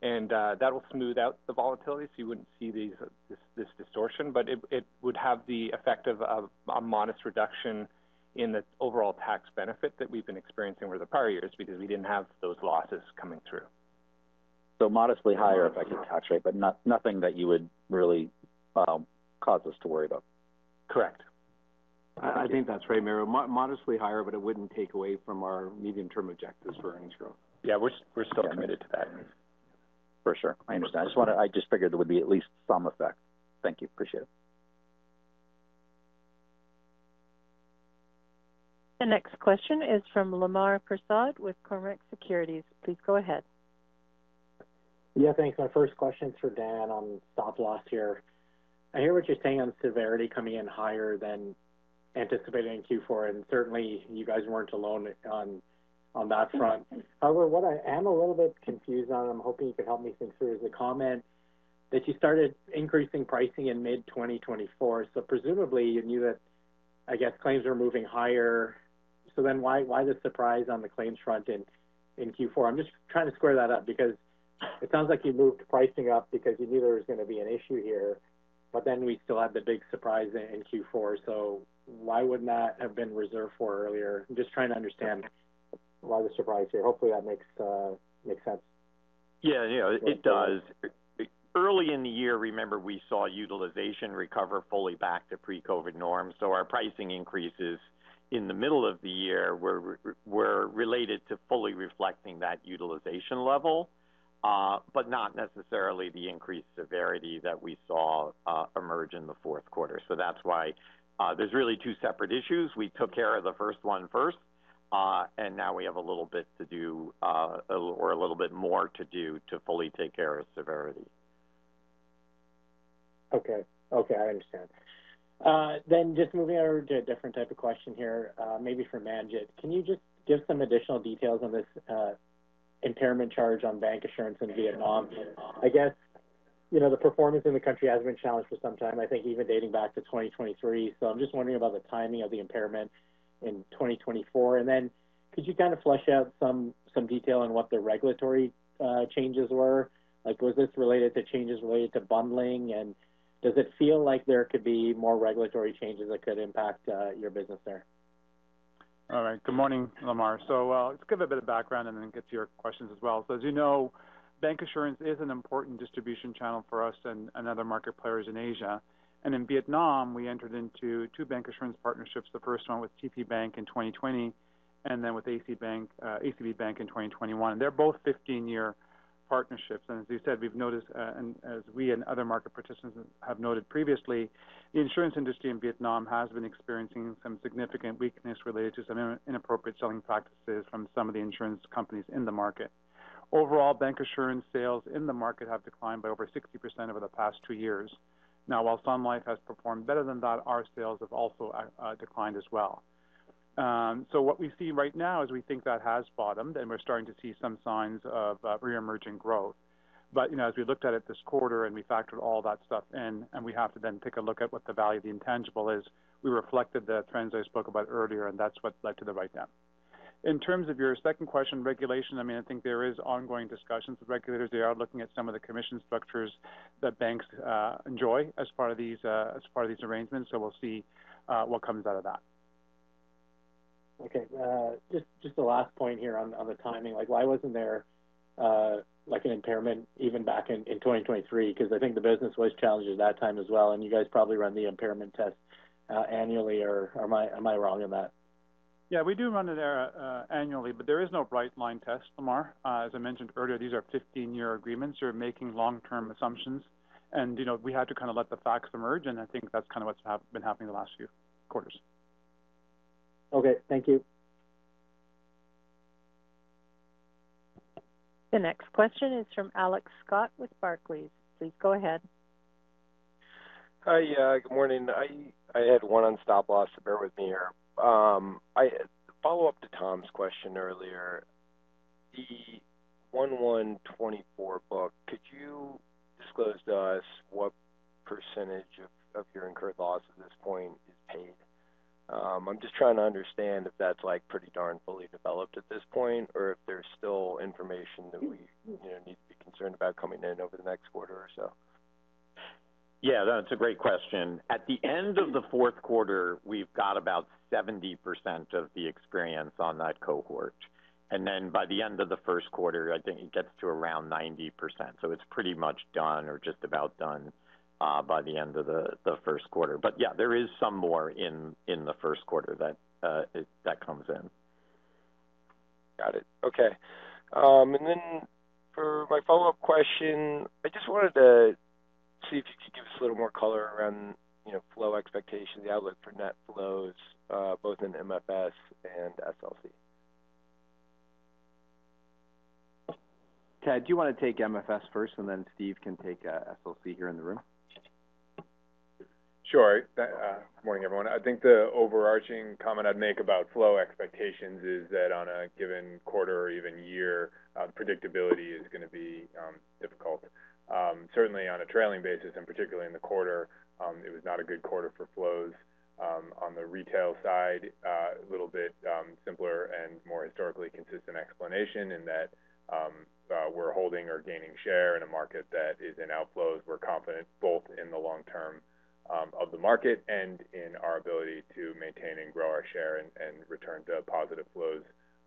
And that will smooth out the volatility so you wouldn't see this distortion. But it would have the effect of a modest reduction in the overall tax benefit that we've been experiencing over the prior years because we didn't have those losses coming through. Modestly higher effective tax rate, but nothing that you would really cause us to worry about. Correct. I think that's right, Mario. Modestly higher, but it wouldn't take away from our medium-term objectives for earnings growth. Yeah. We're still committed to that. For sure. I understand. I just figured there would be at least some effect. Thank you. Appreciate it. The next question is from Lemar Persaud with Cormark Securities. Please go ahead. Yeah. Thanks. My first question is for Dan on stop loss here. I hear what you're saying on severity coming in higher than anticipated in Q4. And certainly, you guys weren't alone on that front. However, what I am a little bit confused on, and I'm hoping you could help me think through, is the comment that you started increasing pricing in mid-2024. So presumably, you knew that, I guess, claims were moving higher. So then why the surprise on the claims front in Q4? I'm just trying to square that up because it sounds like you moved pricing up because you knew there was going to be an issue here, but then we still had the big surprise in Q4. So why wouldn't that have been reserved for earlier? I'm just trying to understand why the surprise here. Hopefully, that makes sense. Yeah. It does. Early in the year, remember, we saw utilization recover fully back to pre-COVID norms. So our pricing increases in the middle of the year were related to fully reflecting that utilization level, but not necessarily the increased severity that we saw emerge in the fourth quarter. So that's why there's really two separate issues. We took care of the first one first, and now we have a little bit to do or a little bit more to do to fully take care of severity. Okay. Okay. I understand. Then just moving over to a different type of question here, maybe for Manjit. Can you just give some additional details on this impairment charge on bank assurance in Vietnam? I guess the performance in the country has been challenged for some time, I think even dating back to 2023. So I'm just wondering about the timing of the impairment in 2024. And then could you kind of flesh out some detail on what the regulatory changes were? Was this related to changes related to bundling? And does it feel like there could be more regulatory changes that could impact your business there? All right. Good morning, Lemar. So let's give a bit of background and then get to your questions as well. So as you know, bank assurance is an important distribution channel for us and other market players in Asia. And in Vietnam, we entered into two bank assurance partnerships, the first one with TP Bank in 2020 and then with ACB Bank in 2021. And they're both 15-year partnerships. And as you said, we've noticed, and as we and other market participants have noted previously, the insurance industry in Vietnam has been experiencing some significant weakness related to some inappropriate selling practices from some of the insurance companies in the market. Overall, bank assurance sales in the market have declined by over 60% over the past two years. Now, while Sun Life has performed better than that, our sales have also declined as well. So what we see right now is we think that has bottomed, and we're starting to see some signs of reemerging growth. But as we looked at it this quarter and we factored all that stuff in, and we have to then take a look at what the value of the intangible is, we reflected the trends I spoke about earlier, and that's what led to the write-down. In terms of your second question, regulation, I mean, I think there is ongoing discussions with regulators. They are looking at some of the commission structures that banks enjoy as part of these arrangements. So we'll see what comes out of that. Okay. Just the last point here on the timing. Why wasn't there an impairment even back in 2023? Because I think the business was challenged at that time as well. And you guys probably run the impairment test annually. Am I wrong on that? Yeah. We do run it annually, but there is no bright line test, Lemar. As I mentioned earlier, these are 15-year agreements. You're making long-term assumptions, and we had to kind of let the facts emerge, and I think that's kind of what's been happening the last few quarters. Okay. Thank you. The next question is from Alex Scott with Barclays. Please go ahead. Hi. Good morning. I had one on stop loss. Bear with me here. Follow up to Tom's question earlier. The 2024 book, could you disclose to us what percentage of your incurred loss at this point is paid? I'm just trying to understand if that's pretty darn fully developed at this point or if there's still information that we need to be concerned about coming in over the next quarter or so. Yeah. That's a great question. At the end of the fourth quarter, we've got about 70% of the experience on that cohort. And then by the end of the first quarter, I think it gets to around 90%. So it's pretty much done or just about done by the end of the first quarter. But yeah, there is some more in the first quarter that comes in. Got it. Okay. And then for my follow-up question, I just wanted to see if you could give us a little more color around flow expectations, the outlook for net flows, both in MFS and SLC? Ted, do you want to take MFS first, and then Steve can take SLC here in the room? Sure. Good morning, everyone. I think the overarching comment I'd make about flow expectations is that on a given quarter or even year, predictability is going to be difficult. Certainly, on a trailing basis, and particularly in the quarter, it was not a good quarter for flows. On the retail side, a little bit simpler and more historically consistent explanation in that we're holding or gaining share in a market that is in outflows. We're confident both in the long term of the market and in our ability to maintain and grow our share and return to positive flows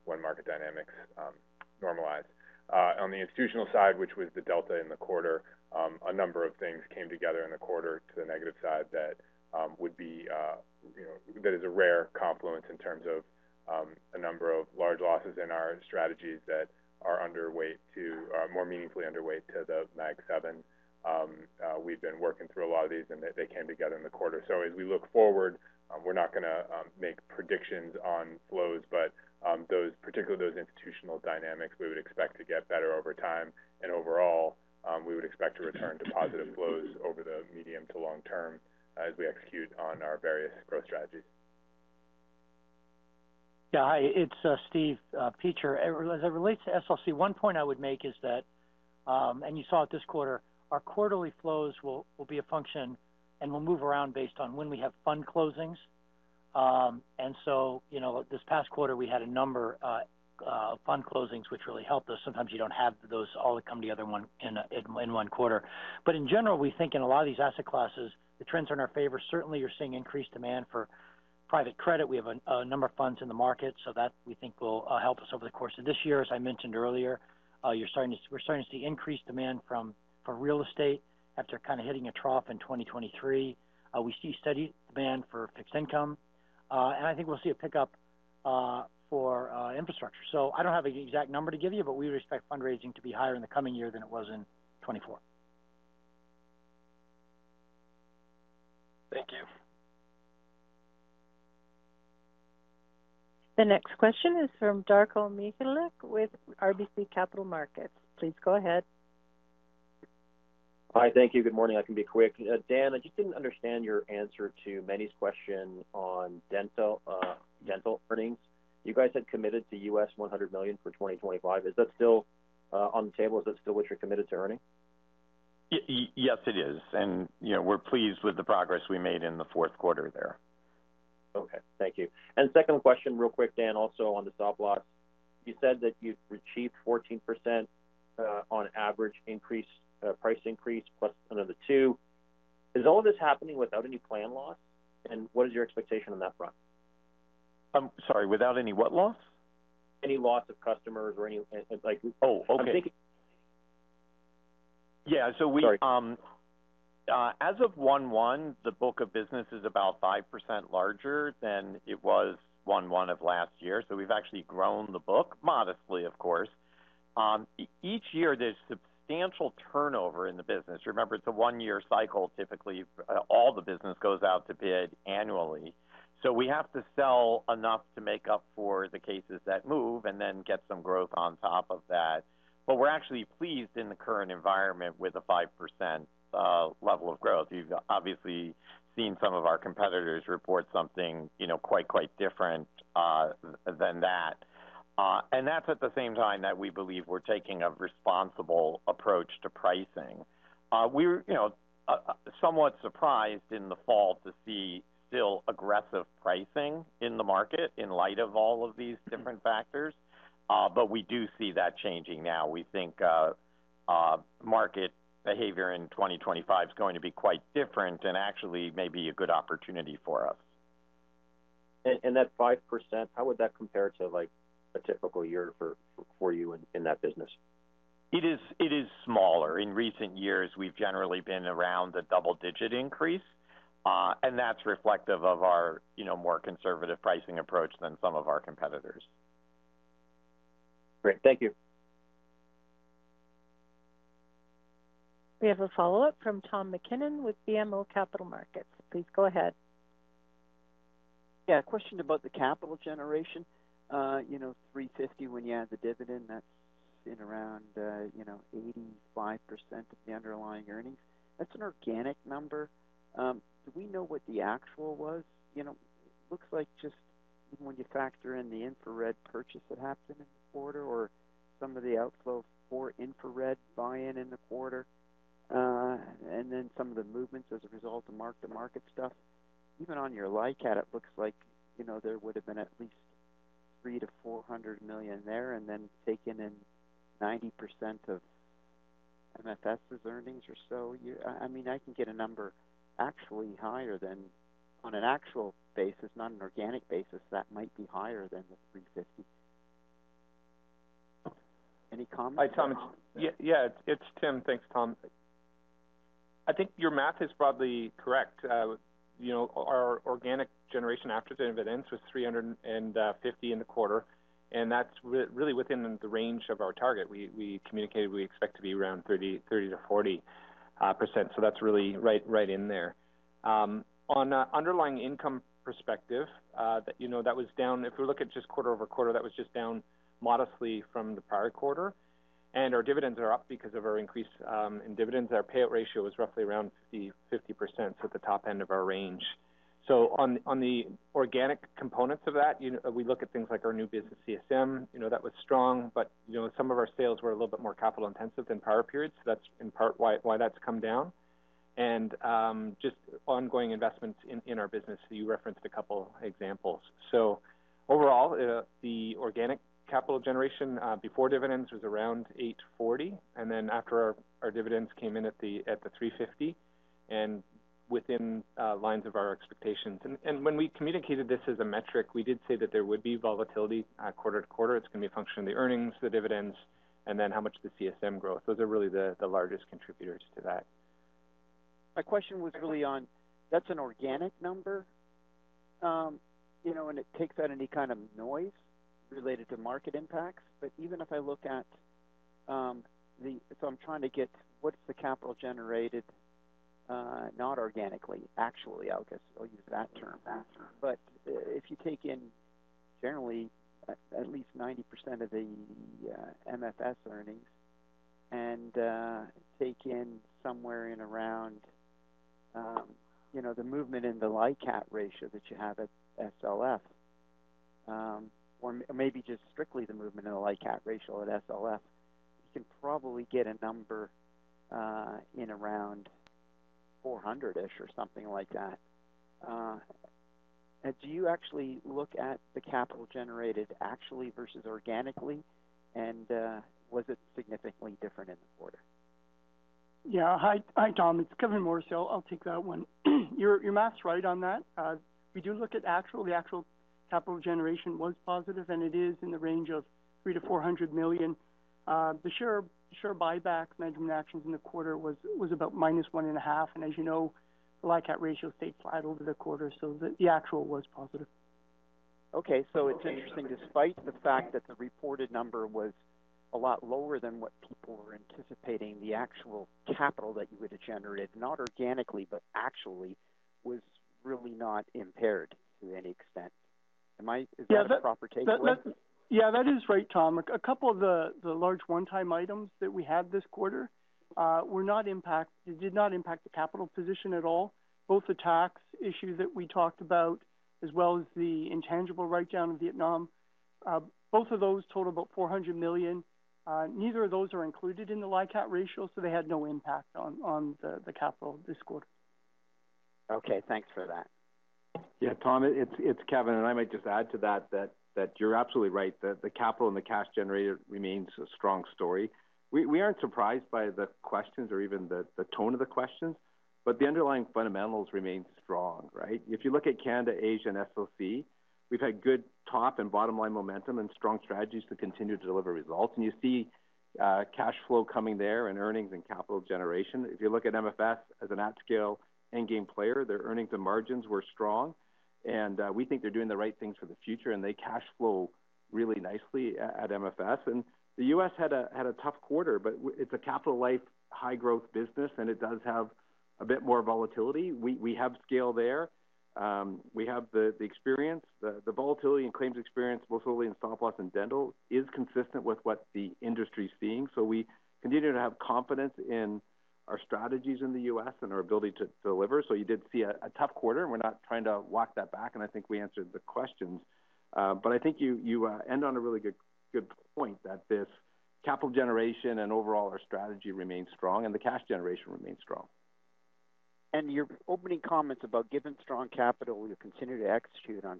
when market dynamics normalize. On the institutional side, which was the delta in the quarter, a number of things came together in the quarter to the negative side that would be that is a rare confluence in terms of a number of large losses in our strategies that are underweight to more meaningfully underweight to the MAG 7. We've been working through a lot of these, and they came together in the quarter, so as we look forward, we're not going to make predictions on flows, but particularly those institutional dynamics, we would expect to get better over time, and overall, we would expect to return to positive flows over the medium to long term as we execute on our various growth strategies. Yeah. Hi. It's Steve Peacher. As it relates to SLC, one point I would make is that, and you saw it this quarter, our quarterly flows will be a function and will move around based on when we have fund closings, and so this past quarter, we had a number of fund closings, which really helped us. Sometimes you don't have those all come together in one quarter, but in general, we think in a lot of these asset classes, the trends are in our favor. Certainly, you're seeing increased demand for private credit. We have a number of funds in the market, so that we think will help us over the course of this year. As I mentioned earlier, we're starting to see increased demand from real estate after kind of hitting a trough in 2023. We see steady demand for fixed income. I think we'll see a pickup for infrastructure. I don't have an exact number to give you, but we would expect fundraising to be higher in the coming year than it was in 2024. Thank you. The next question is from Darko Mihalic with RBC Capital Markets. Please go ahead. Hi. Thank you. Good morning. I can be quick. Dan, I just didn't understand your answer to Manjit's question on dental earnings. You guys had committed to $100 million for 2025. Is that still on the table? Is that still what you're committed to earning? Yes, it is, and we're pleased with the progress we made in the fourth quarter there. Okay. Thank you. Second question, real quick, Dan, also on the stop loss. You said that you've achieved 14% on average price increase plus another two. Is all of this happening without any plan loss? And what is your expectation on that front? I'm sorry. Without any what loss? Any loss of customers or any? Oh, okay. Yeah. So as of 2021, the book of business is about 5% larger than it was 2021 of last year. So we've actually grown the book, modestly, of course. Each year, there's substantial turnover in the business. Remember, it's a one-year cycle. Typically, all the business goes out to bid annually. So we have to sell enough to make up for the cases that move and then get some growth on top of that. But we're actually pleased in the current environment with a 5% level of growth. You've obviously seen some of our competitors report something quite, quite different than that. And that's at the same time that we believe we're taking a responsible approach to pricing. We were somewhat surprised in the fall to see still aggressive pricing in the market in light of all of these different factors. But we do see that changing now. We think market behavior in 2025 is going to be quite different and actually may be a good opportunity for us. That 5%, how would that compare to a typical year for you in that business? It is smaller. In recent years, we've generally been around a double-digit increase, and that's reflective of our more conservative pricing approach than some of our competitors. Great. Thank you. We have a follow-up from Tom McKinnon with BMO Capital Markets. Please go ahead. Yeah. Question about the capital generation. 350 million when you add the dividend, that's in around 85% of the underlying earnings. That's an organic number. Do we know what the actual was? Looks like just when you factor in the InfraRed purchase that happened in the quarter or some of the outflow for InfraRed buy-in in the quarter and then some of the movements as a result of mark-to-market stuff. Even on your LICAT, it looks like there would have been at least 300 million-400 million there and then taken in 90% of MFS's earnings or so. I mean, I can get a number actually higher than on an actual basis, not an organic basis, that might be higher than the 350 million. Any comments? Hi, Tom. Yeah. It's Tim. Thanks, Tom. I think your math is probably correct. Our organic generation after dividends was 350 in the quarter. And that's really within the range of our target. We communicated we expect to be around 30%-40%. So that's really right in there. On an underlying income perspective, that was down. If we look at just quarter over quarter, that was just down modestly from the prior quarter. And our dividends are up because of our increase in dividends. Our payout ratio was roughly around 50%, so at the top end of our range. So on the organic components of that, we look at things like our new business CSM. That was strong, but some of our sales were a little bit more capital-intensive than prior periods. That's in part why that's come down. And just ongoing investments in our business. You referenced a couple of examples. Overall, the organic capital generation before dividends was around 840, and then after our dividends came in at 350 and within lines of our expectations, and when we communicated this as a metric, we did say that there would be volatility quarter to quarter. It's going to be a function of the earnings, the dividends, and then how much the CSM growth. Those are really the largest contributors to that. My question was really on, that's an organic number, and it takes out any kind of noise related to market impacts. But even if I look at the, so I'm trying to get what's the capital generated not organically, actually, I'll use that term. But if you take in generally at least 90% of the MFS earnings and take in somewhere in around the movement in the LICAT ratio that you have at SLF, or maybe just strictly the movement in the LICAT ratio at SLF, you can probably get a number in around 400-ish or something like that. Do you actually look at the capital generated actually versus organically, and was it significantly different in the quarter? Yeah. Hi, Tom. It's Kevin Morrissey. I'll take that one. Your math's right on that. We do look at actual. The actual capital generation was positive, and it is in the range of 3-400 million. The share buyback measurement actions in the quarter was about minus 1.5. And as you know, the LICAT ratio stayed flat over the quarter, so the actual was positive. Okay, so it's interesting, despite the fact that the reported number was a lot lower than what people were anticipating, the actual capital that you would have generated, not organically, but actually, was really not impaired to any extent. Am I right? Yeah. That is right, Tom. A couple of the large one-time items that we had this quarter did not impact the capital position at all. Both the tax issue that we talked about as well as the intangible write-down in Vietnam, both of those totaled about 400 million. Neither of those are included in the LICAT ratio, so they had no impact on the capital this quarter. Okay. Thanks for that. Yeah, Tom, it's Kevin. And I might just add to that that you're absolutely right that the capital and the cash generator remains a strong story. We aren't surprised by the questions or even the tone of the questions, but the underlying fundamentals remain strong, right? If you look at Canada, Asia, and SLC, we've had good top and bottom-line momentum and strong strategies to continue to deliver results. And you see cash flow coming there and earnings and capital generation. If you look at MFS as an at-scale end-game player, their earnings and margins were strong. And we think they're doing the right things for the future, and they cash flow really nicely at MFS. And the U.S. had a tough quarter, but it's a capital-light, high-growth business, and it does have a bit more volatility. We have scale there. We have the experience. The volatility and claims experience both early in stop loss and dental is consistent with what the industry is seeing. So we continue to have confidence in our strategies in the U.S. and our ability to deliver. So you did see a tough quarter, and we're not trying to walk that back. And I think we answered the questions. But I think you end on a really good point that this capital generation and overall our strategy remains strong, and the cash generation remains strong. Your opening comments about, given strong capital, you'll continue to execute on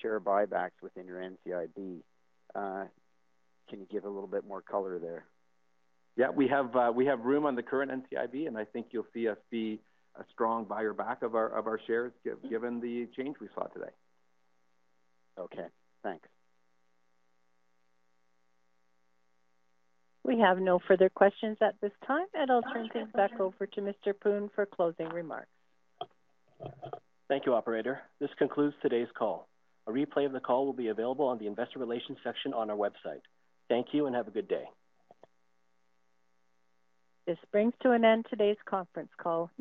share buybacks within your NCIB. Can you give a little bit more color there? Yeah. We have room on the current NCIB, and I think you'll see us be a strong buyback of our shares given the change we saw today. Okay. Thanks. We have no further questions at this time, and I'll turn things back over to Mr. Poon for closing remarks. Thank you, Operator. This concludes today's call. A replay of the call will be available on the investor relations section on our website. Thank you and have a good day. This brings to an end today's conference call.